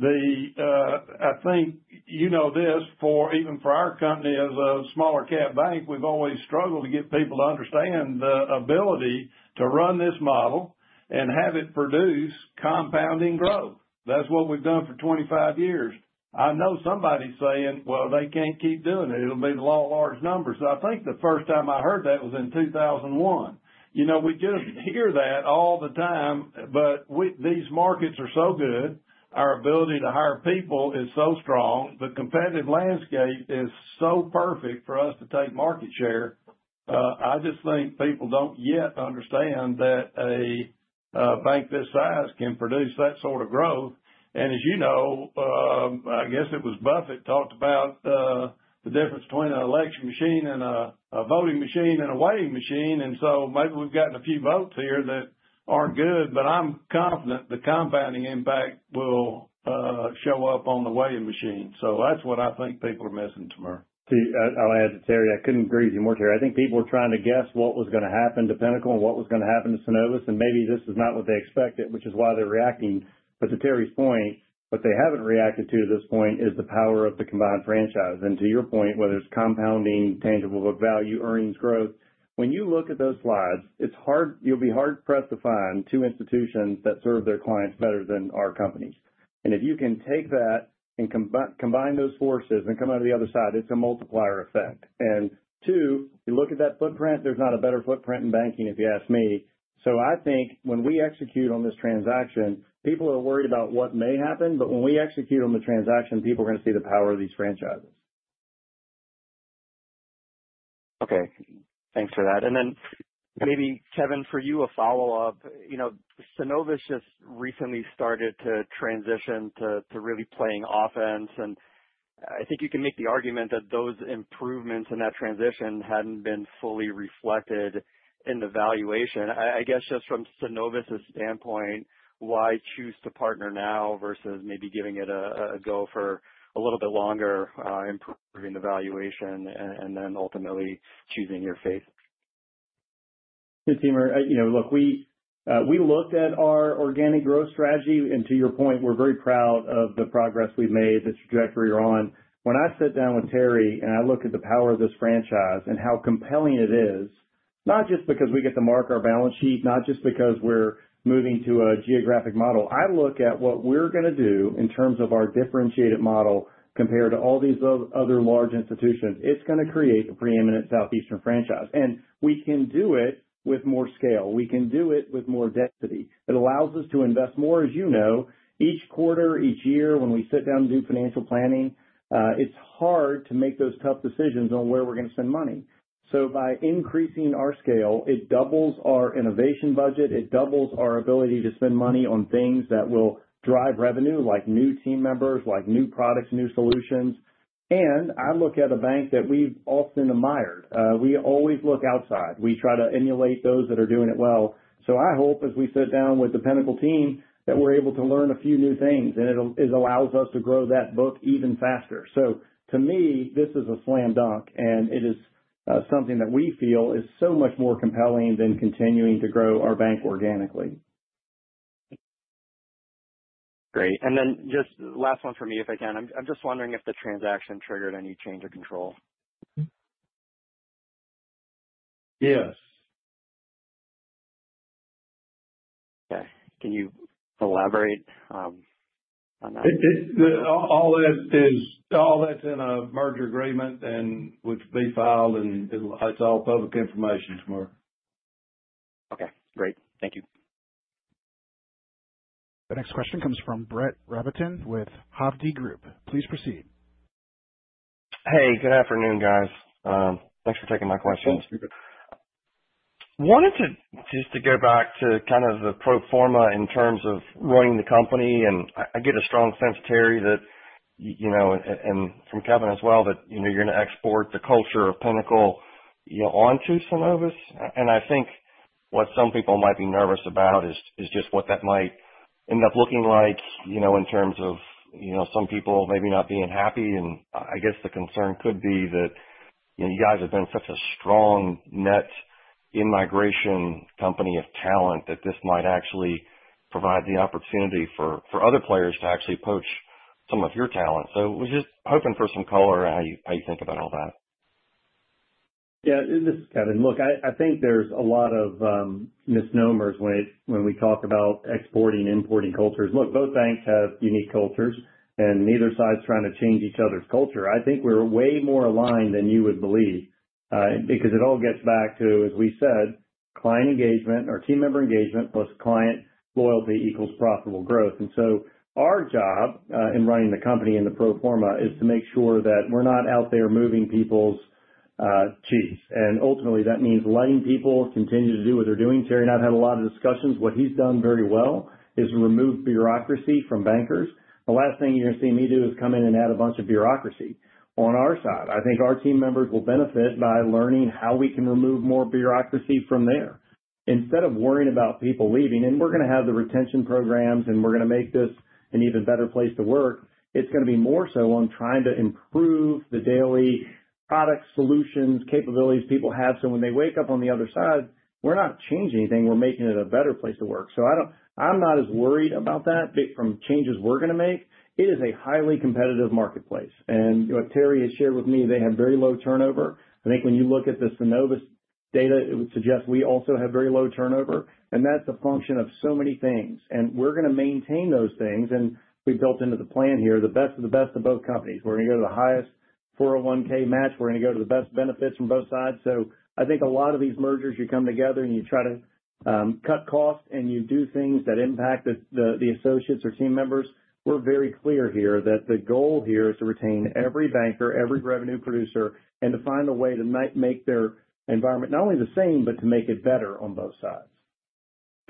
I think you know this, even for our company as a smaller cap bank, we've always struggled to get people to understand the ability to run this model and have it produce compounding growth. That's what we've done for 25 years. I know somebody saying, well, they can't keep doing it. It'll be the law of large numbers. I think the first time I heard that was in 2001. We just hear that all the time. These markets are so good, our ability to hire people is so strong. The competitive landscape is so perfect for us to take market share. I just think people don't yet understand that a bank this size can produce. That sort of growth. As you know, I guess it was Buffett who talked about the difference between an election machine and a voting machine and a weighing machine. Maybe we've gotten a few votes here that aren't good, but I'm confident the compounding impact will show up on the weighing machine. That's what I think people are missing. Timur, I'll add to Terry. I couldn't agree with you more, Terry. I think people were trying to guess what was going to happen to Pinnacle and what was going to happen to Synovus. Maybe this is not what they expected, which is why they're reacting. To Terry's point, what they haven't reacted to at this point is the power of the combined franchise. To your point, whether it's compounding tangible book value, earnings growth, when you look at those slides, it's hard. You'll be hard pressed to find two institutions that serve their clients better than our companies. If you can take that and combine those forces and come out of the other side, it's a multiplier effect. You look at that footprint, there's not a better footprint in banking, if you ask me. I think when we execute on this transaction, people are worried about what may happen, but when we execute on the transaction, people are going to see the power of these franchises. Okay, thanks for that. Maybe Kevin, for you, a follow up. You know, Synovus just recently started to transition to really playing offense. I think you can make the argument that those improvements in that transition hadn't been fully reflected in the valuation. I guess just from Synovus' standpoint, why choose to partner now versus maybe giving it a go for a little bit longer, improving the valuation and then ultimately choosing your fate? Timur. You know, look, we looked at our organic growth strategy and to your point, we're very proud of the progress we've made, the trajectory we're on. When I sit down with Terry and I look at the power of this franchise and how compelling it is, not just because we get to mark our balance sheet, not just because we're moving to a geographic model. I look at what we're going to do in terms of our differentiated model compared to all these other large institutions. It's going to create a preeminent Southeastern franchise. We can do it with more scale, we can do it with more density. It allows us to invest more, as you know, each quarter, each year when we sit down and do financial planning, it's hard to make those tough decisions on where we're going to spend money. By increasing our scale, it doubles our innovation budget. It doubles our ability to spend money on things that will drive revenue, like new team members, like new products, new solutions. I look at a bank that we've often admired. We always look outside. We try to emulate those that are doing it well. I hope as we sit down with the Pinnacle team, that we're able. To learn a few new things. It allows us to grow that book even faster. To me, this is a slam dunk, and it is something that we feel is so much more compelling than continuing to grow our bank organically. Great. Just last one for me if I can. I'm just wondering if the transaction triggered any change of control. Yes. Okay. Can you elaborate? All that's in a merger agreement and will be filed. It's all public information tomorrow. Okay, great. Thank you. The next question comes from Brett Rabatin with Hovde Group. Please proceed. Hey, good afternoon, guys. Thanks for taking my question. Wanted to go back to kind of the pro forma in terms of running the company, and I get a strong sense, Terry, and from Kevin as well, that you're going to export the culture of Pinnacle onto Synovus. I think what some people might be nervous about is just what that might end up looking like in terms of some people maybe not being happy. I guess the concern could be that you guys have been such a strong net in migration company of talent, that this might actually provide the opportunity for other players to actually poach some of your talent. We're just hoping for some color. How you think about all that? Yeah, this is Kevin. Look, I think there's a lot of misnomers when we talk about exporting, importing cultures. Both banks have unique cultures, and neither side is trying to change each other's culture. I think we're way more aligned than you would believe because it all gets back to, as we said, client engagement or team member engagement plus client loyalty equals profitable growth. Our job in running the company in the pro forma is to make sure that we're not out there moving people's cheeks. Ultimately that means letting people continue to do what they're doing. Terry and I've had a lot of discussions. What he's done very well is remove bureaucracy from bankers. The last thing you're going to see me do is come in and add a bunch of bureaucracy on our side. I think our team members will benefit by learning how we can remove more bureaucracy from there instead of worrying about people leaving. We're going to have the retention programs, and we're going to make this an even better place to work. It's going to be more so on trying to improve the daily products, solutions, capabilities people have. When they wake up on the other side, we're not changing anything. We're making it a better place to work. I'm not as worried about that from changes we're going to make. It is a highly competitive marketplace. What Terry has shared with me, they have very low turnover. I think when you look at the Synovus data, it would suggest we also have very low turnover. That's a function of so many things. We're going to maintain those things. We built into the plan here. The best of the best of both companies are going to go to the highest 401k match. We are going to go to the best benefits from both sides. I think a lot of these mergers, you come together and you try to cut cost and you do things that impact the associates or team members. We are very clear here that the goal here is to retain every banker, every revenue producer, and to find a way to make their environment not only the same, but to make it better on both sides.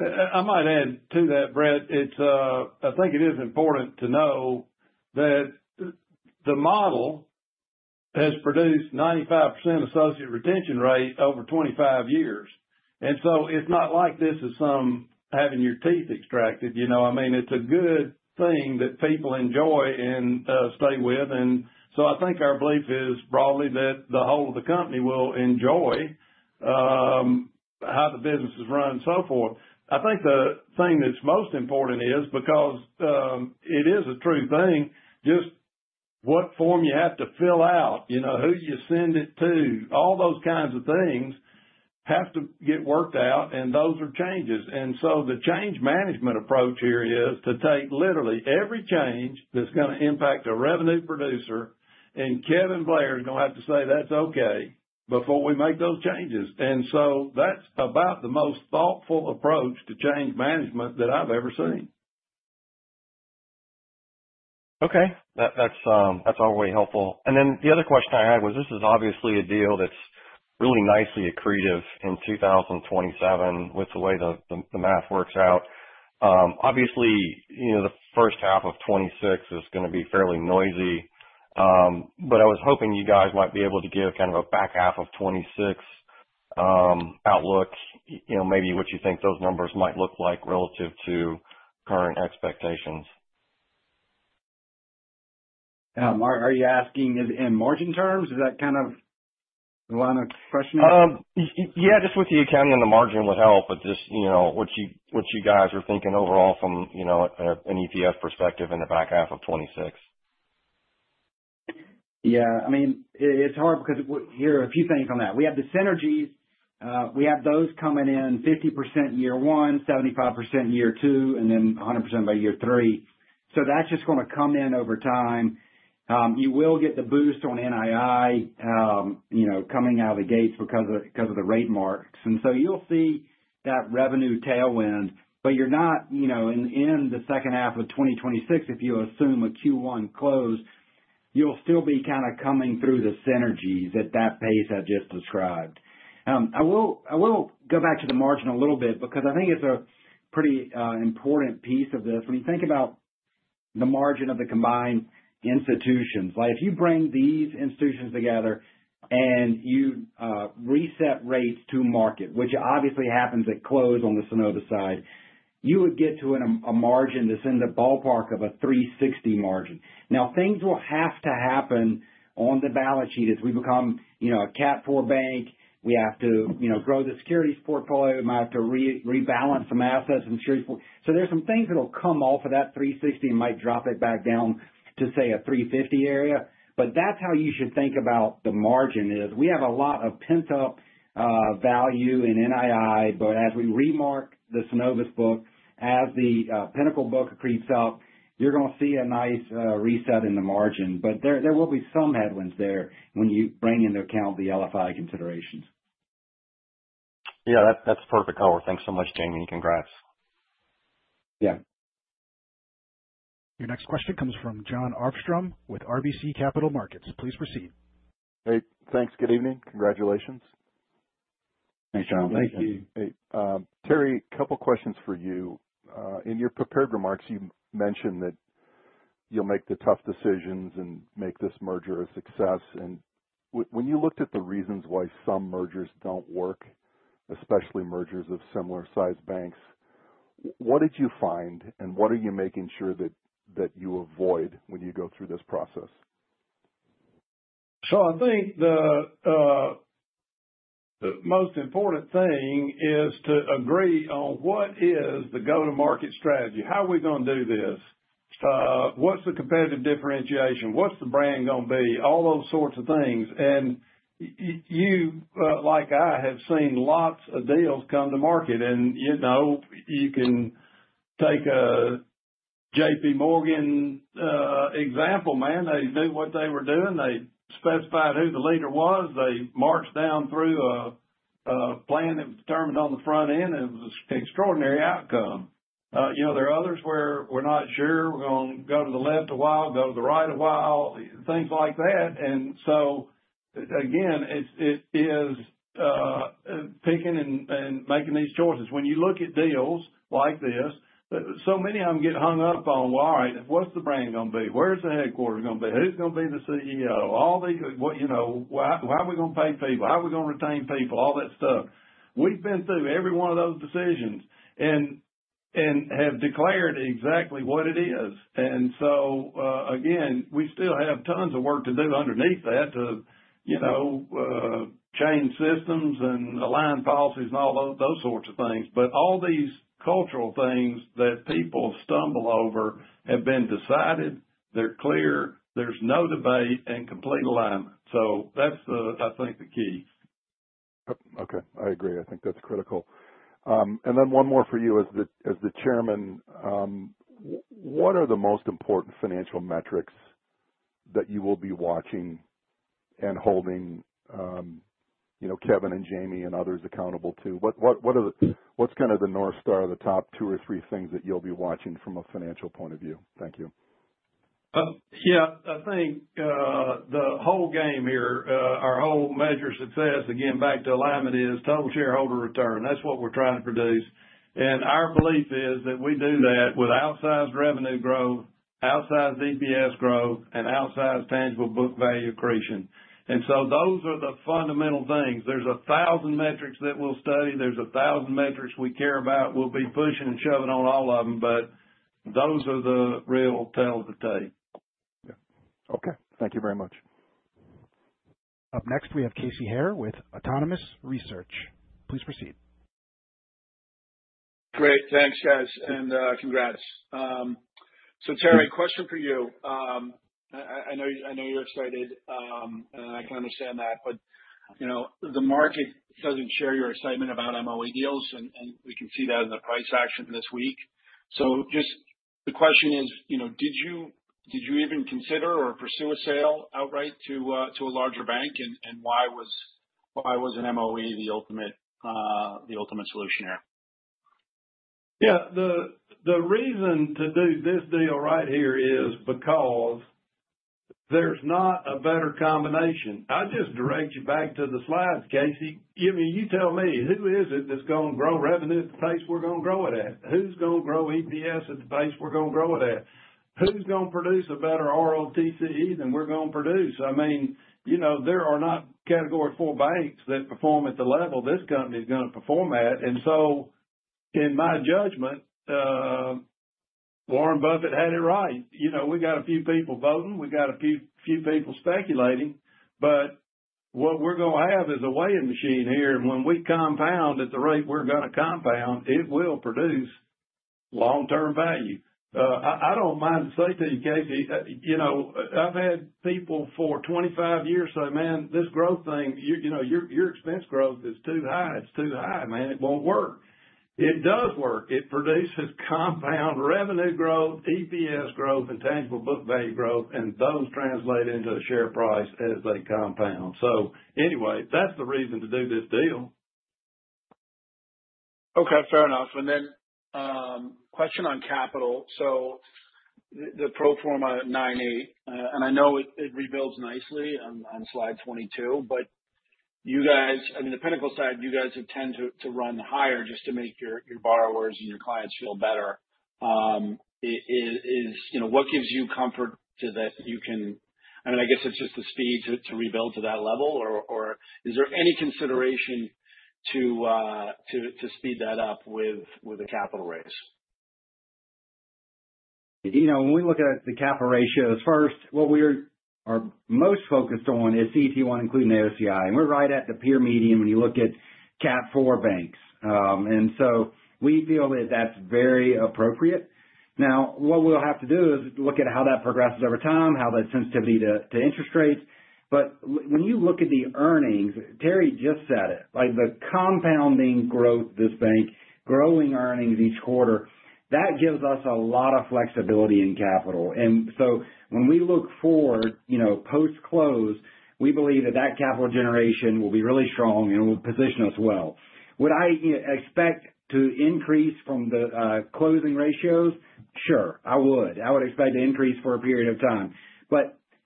I might add to that, Brett, I think it is important to know that the model has produced a 95% associate retention rate over 25 years. It is not like this is some having your teeth extracted, you know, I mean, it's a good thing that people enjoy and stay with. I think our belief is broadly that the whole of the company will enjoy how the business is run and so forth. I think the thing that's most important is because it is a true thing, just what form you have to fill out, who you send it to. All those kinds of things have to get worked out and those are changes. The change management approach here is to take literally every change that's going to impact a revenue producer, and Kevin Blair is going to have to say that's okay before we make those changes. That’s about the most thoughtful. Approach to change management that I've ever seen. Okay, that's all really helpful. The other question I had was this is obviously a deal that's really nicely accretive in 2027 with the way the math works out. Obviously, the first half of 2026 is going to be fairly noisy, but I was hoping you guys might be able to give kind of a back half of 2026 outlook, maybe what you think those numbers might look like relative to current expectations? Are you asking in margin terms? Is that kind of the line of question? Yeah, just with the accounting and the margin would help. Just you know what you, what you guys are thinking overall from an EPS perspective in the back half of 2026? Yeah, I mean it's hard because here are a few things on that. We have the synergies. We have those coming in 50% year one, 75% year two, and then 100% by year three. That's just going to come in over time. You will get the boost on NII coming out of the gates because of the rate marks, and you'll see that revenue tailwind. You're not in the second half of 2026 if you assume a Q1 close; you'll still be kind of coming through the synergies at that pace I just described. I will go back to the margin a little bit because I think it's a pretty important piece of this. When you think about the margin of the combined institutions, if you bring these institutions together and you reset rates to market, which obviously happens at close on the Synovus side, you would get to a margin that's in the ballpark of a 3.60% margin. Now, things will have to happen on the balance sheet as we become a CAT IV bank. We have to grow the securities portfolio, might have to rebalance some assets, and there's some things that will come off of that 3.60%—might drop it back down to, say, a 3.50% area. That's how you should think about the margin. We have a lot of pent-up value in NII, but as we remark the Synovus book, as the Pinnacle book creeps out, you're going to see a nice reset in the margin, but there will be some headwinds there when you bring into account the LFI considerations. Yeah, that's perfect color. Thanks so much, Jamie, and congrats. Yeah, your next question comes from Jon Arfstrom with RBC Capital Markets. Please proceed. Thanks. Good evening. Congratulations. Thanks, John. Thank you. Terry, a couple questions for you. In your prepared remarks, you mentioned that you'll make the tough decisions and make this merger a success. When you looked at the reasons why some mergers don't work, especially mergers of similar sized banks, what did you find and what are you making sure that you avoid when you go through this process? I think the most important thing is to agree on what is the go to market strategy, how are we going to do this, what's the competitive differentiation, what's the brand going to be? All those sorts of things. You, like I, have seen lots of deals come to market. You can take a JPMorgan example, man, they knew what they were doing. They specified who the leader was. They marched down through a plan that was determined on the front end. It was an extraordinary outcome. There are others where we're not sure we're going to go to the left a while, go to the right a while, things like that. It is picking and making these choices. When you look at deals like this, so many of them get hung up on, all right, what's the brand going to be, where's the headquarters going to be, who's going to be the CEO? All these, you know, how are we going to pay people, how are we going to retain people? All that stuff. We've been through every one of those decisions and have declared exactly what it is. We still have tons of work to do underneath that, you know, change systems and align policies and all those sorts of things. All these cultural things that people stumble over have been decided. They're clear. There's no debate and complete alignment. I think that's the key. Okay, I agree. I think that's critical. One more for you as the Chairman. What are the most important financial metrics that you will be watching and holding Kevin and Jamie and others accountable to? What's kind of the North Star of the top two or three things? You'll be watching from a financial point of view? Thank you. I think the whole game here, our whole major success, again, back to alignment, is total shareholder return. That's what we're trying to produce. Our belief is that we do that with outsized revenue growth, outsized EPS growth, and outsized tangible book value accretion. Those are the fundamental things. There are 1,000 metrics that we'll study. There are a thousand metrics we care about. We'll be pushing and shoving on all of them. Those are the real tale of the tape. Okay, thank you very much. Up next, we have Casey Haire with Autonomous Research. Please proceed. Great. Thanks, guys, and congrats. Terry, question for you. I know you're excited and I can understand that, but the market doesn't share your excitement about MOE deals, and we can see that in the price action this week. The question is, did you even consider or pursue a sale outright to a larger bank? Why was an MOE the ultimate solution here? Yeah, the reason to do this deal right here is because there's not a better combination. I just direct you back to the slides, Casey. I mean, you tell me who is it that's going to grow revenue at the pace we're going to grow it at? Who's going to grow EPS at the pace we're going to grow it at? Who's going to produce a better return on tangible common equity than we're going to produce? I mean, you know, there are not Category 4 banks that perform at the level this company is going to perform at. In my judgment, Warren Buffett had it right. We got a few people voting, we got a few people speculating, but what we're going to have is a weighing machine here. When we compound at the rate we're going to compound, it will produce long-term value. I don't mind saying to you, Casey, you know, I've had people for 25 years say man, this growth thing, you know your expense growth is too high. It's too high, man. It won't work. It does work. It produces compound revenue growth, EPS growth, and tangible book value growth. Those translate into a share price as they compound. That's the reason to do this deal. Okay, fair enough. The question on capital: the pro forma 9.8, and I know it rebuilds nicely on slide 22. You guys, on the Pinnacle side, tend to run higher just to make your borrowers and your clients feel better. What gives you comfort that you can—I mean, I guess it's just the speed to rebuild to that level, or is there any consideration to speed that up with a capital raise? You know, when we look at the capital ratios first, what we're doing and are most focused on is CET1, including AOCI, and we're right at the peer median when you look at CAT IV banks. We feel that that's very appropriate. Now, what we'll have to do is look at how that progresses over time, how that sensitivity to interest rates. When you look at the earnings, Terry just said it, like the compounding growth, this bank growing earnings each quarter, that gives us a lot of flexibility in capital. When we look forward post close, we believe that that capital generation will be really strong and will position us well. Would I expect to increase from the closing ratios? Sure, I would. I would expect to increase for a period of time.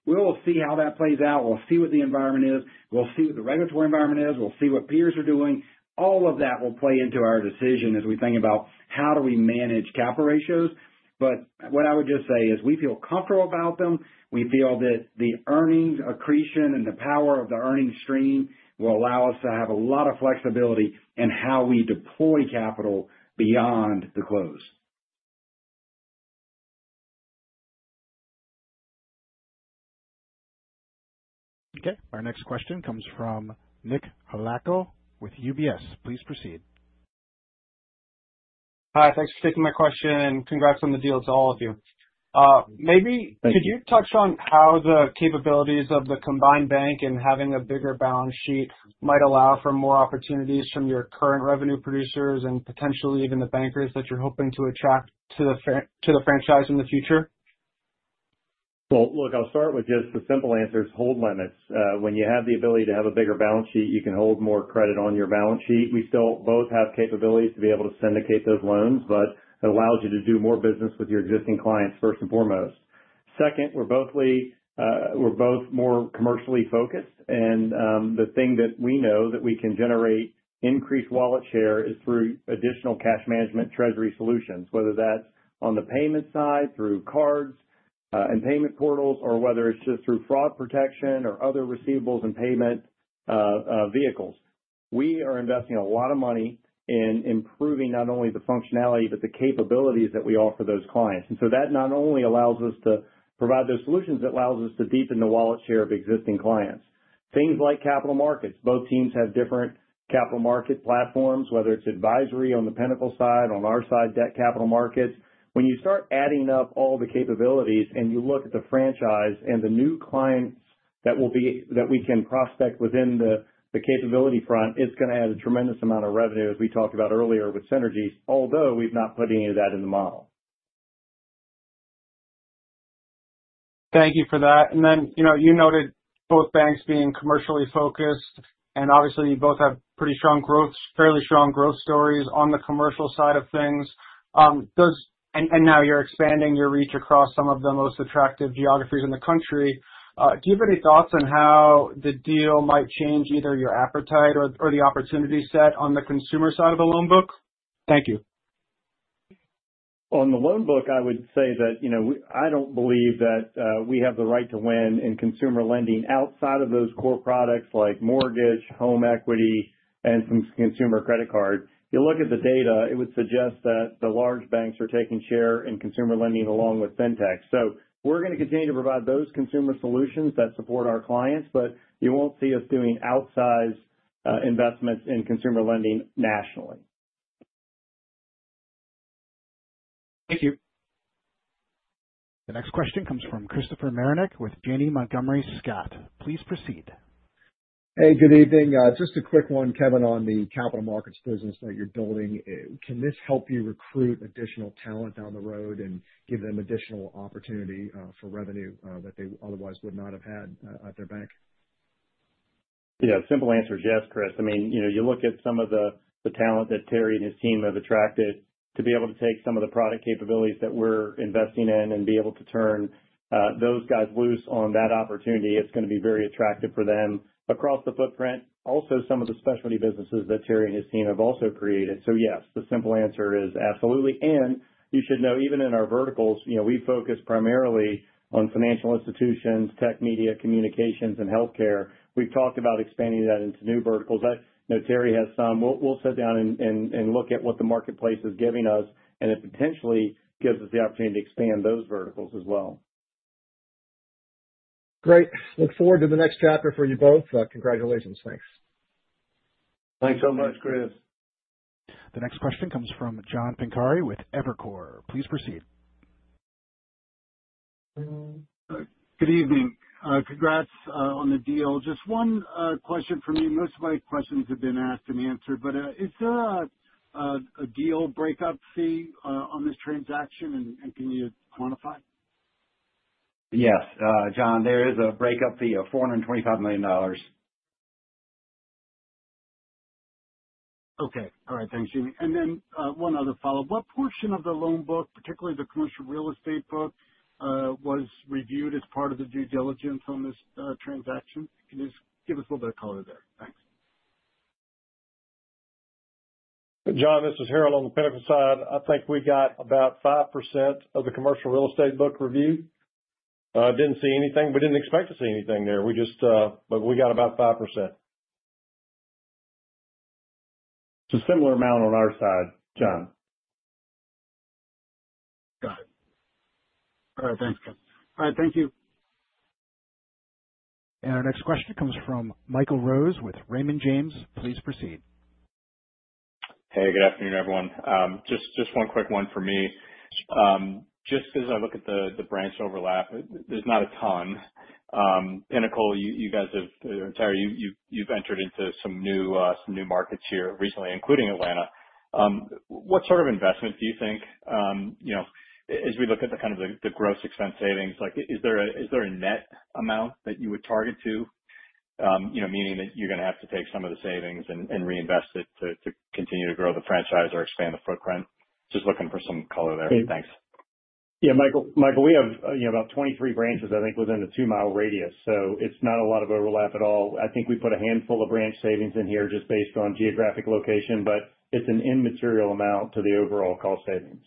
We will see how that plays out. We will see what the environment is, we will see what the regulatory environment is, we will see what peers are doing. All of that will play into our decision as we think about how do we manage capital ratios. What I would just say is we feel comfortable about them. We feel that the earnings accretion and the power of the earnings stream will allow us to have a lot of flexibility in how we deploy capital beyond the close. Okay, our next question comes from Nick Holowko with UBS. Please proceed. Hi, thanks for taking my question and congrats on the deal to all of you. Maybe could you touch on how the capabilities of the combined bank and having a bigger balance sheet might allow for more opportunities from your current revenue producers and potentially even the bankers that you're hoping to attract to the franchise in the future? I'll start with just the simple answers. Hold limits. When you have the ability to have a bigger balance sheet, you can hold more credit on your balance sheet. We still both have capabilities to be able to syndicate those loans, but it allows you to do more business with your existing clients, first and foremost. Second, we're both more commercially focused and the thing that we know that we can generate increased wallet share is through additional cash management treasury solutions. Whether that's on the payment side through cards and payment portals, or whether it's just through fraud protection or other receivables and payment vehicles, we are investing a lot of money in improving not only the functionality but the capabilities that we offer those clients. That not only allows us to provide those solutions, it allows us to deepen the wallet share of existing clients. Things like capital markets. Both teams have different capital market platforms. Whether it's advisory on the Pinnacle side, on our side, debt capital markets. When you start adding up all the capabilities and you look at the franchise and the new client that we can prospect within the capability front, it's going to add a tremendous amount of revenue. As we talked about earlier with synergies, although we've not put any of that in the model. Thank you for that. You noted both banks being commercially focused and obviously you both have pretty strong growth, fairly strong growth stories on the commercial side of things. Now you're expanding your reach across some of the most attractive geographies in the country. Do you have any thoughts on how the deal might change either your appetite or the opportunity set on the consumer side of the loan book? Thank you. On the loan book, I would say that I don't believe that we have the right to win in consumer lending outside of those core products like mortgage, home equity and some consumer credit card. You look at the data, it would suggest that the large banks are taking share in consumer lending along with fintech. We're going to continue to provide those consumer solutions that support our clients, but you won't see us doing outsized investments in consumer lending nationally. Thank you. The next question comes from Christopher Marinac with Janney Montgomery Scott. Please proceed. Hey, good evening. Just a quick one, Kevin, on the capital markets business that you're building. Can this help you recruit additional talent down the road and give them additional opportunity? For revenue that they otherwise would not have had at their bank? Yeah. Simple answer is yes, Chris. You look at some of the talent that Terry and his team have attracted to be able to take some of the product capabilities that we're investing in and be able to turn those guys loose on that opportunity, it's going to be very attractive for them across the footprint. Also, some of the specialty businesses that Terry and his team have also created. Yes, the simple answer is absolutely. You should know, even in our verticals, we focus primarily on financial institutions, tech, media, communications, and health care. We've talked about expanding that into new verticals. I know Terry has some. We'll sit down and look at what the marketplace is giving us, and it potentially gives us the opportunity to expand those verticals as well. Great. Look forward to the next chapter for you both. Congratulations. Thanks. Thanks so much, Chris. The next question comes from John Pancari with Evercore. Please proceed. Good evening. Congrats on the deal. Just one question for me. Most of my questions have been asked. Is there a deal? Breakup fee on this transaction, and can you quantify? Yes, John, there is a breakup fee of $425 million. Okay. All right, thanks, Jeannie. One other follow up. What portion of the loan book, particularly the commercial real estate book, was reviewed as part of the due diligence on this transaction? Can you just give us a little bit of color there? Thanks. John. This is Harold on the Pinnacle side. I think we got about 5% of. The commercial real estate book review. Didn't see anything. We didn't expect to see anything there. We got about 5%. It's a similar amount on our side, John. Got it. All right, thanks, Ken. All right, thank you. Our next question comes from Michael Rose with Raymond James. Please proceed. Hey, good afternoon, everyone. Just one quick one for me. Just as I look at the branch overlap, there's not a ton. Pinnacle, you guys have. Terry, you've entered into some new markets here recently, including Atlanta. What sort of investment do you think as we look at the kind of the gross expense savings? Is there a net amount that you would target to, meaning that you're going to have to take some of the savings and reinvest it to continue to grow the franchise or expand the footprint? Just looking for some color there. Thanks. Yeah. Michael, we have about 23 branches, I think, within a two mile radius. It's not a lot of overlap at all. I think we put a handful of branch savings in here just based on geographic location, but it's an immaterial amount to the overall cost savings.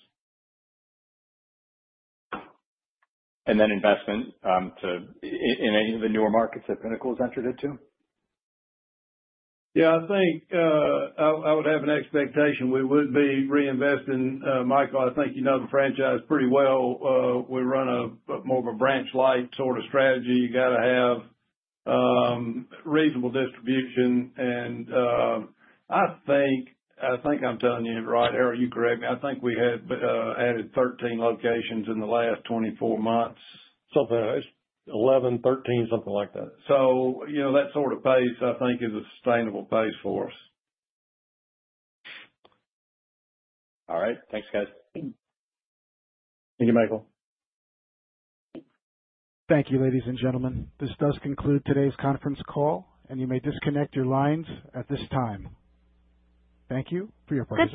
And then investment in any of the newer markets that Pinnacle has entered into? Yeah, I think I would have an expectation we would be reinvesting. Michael, I think you know the franchise pretty well. We run more of a branch light sort of strategy. You got to have reasonable distribution. I think I'm telling you right, Harold, you correct me. I think we had added 13 locations in the last 24 months. Something 11, 13, something like that. You know, that sort of pace. I think is a sustainable pace for us. All right, thanks, guys. Thank you, Michael. Thank you. Ladies and gentlemen, this does conclude today's conference call, and you may disconnect your lines at this time. Thank you for your participation.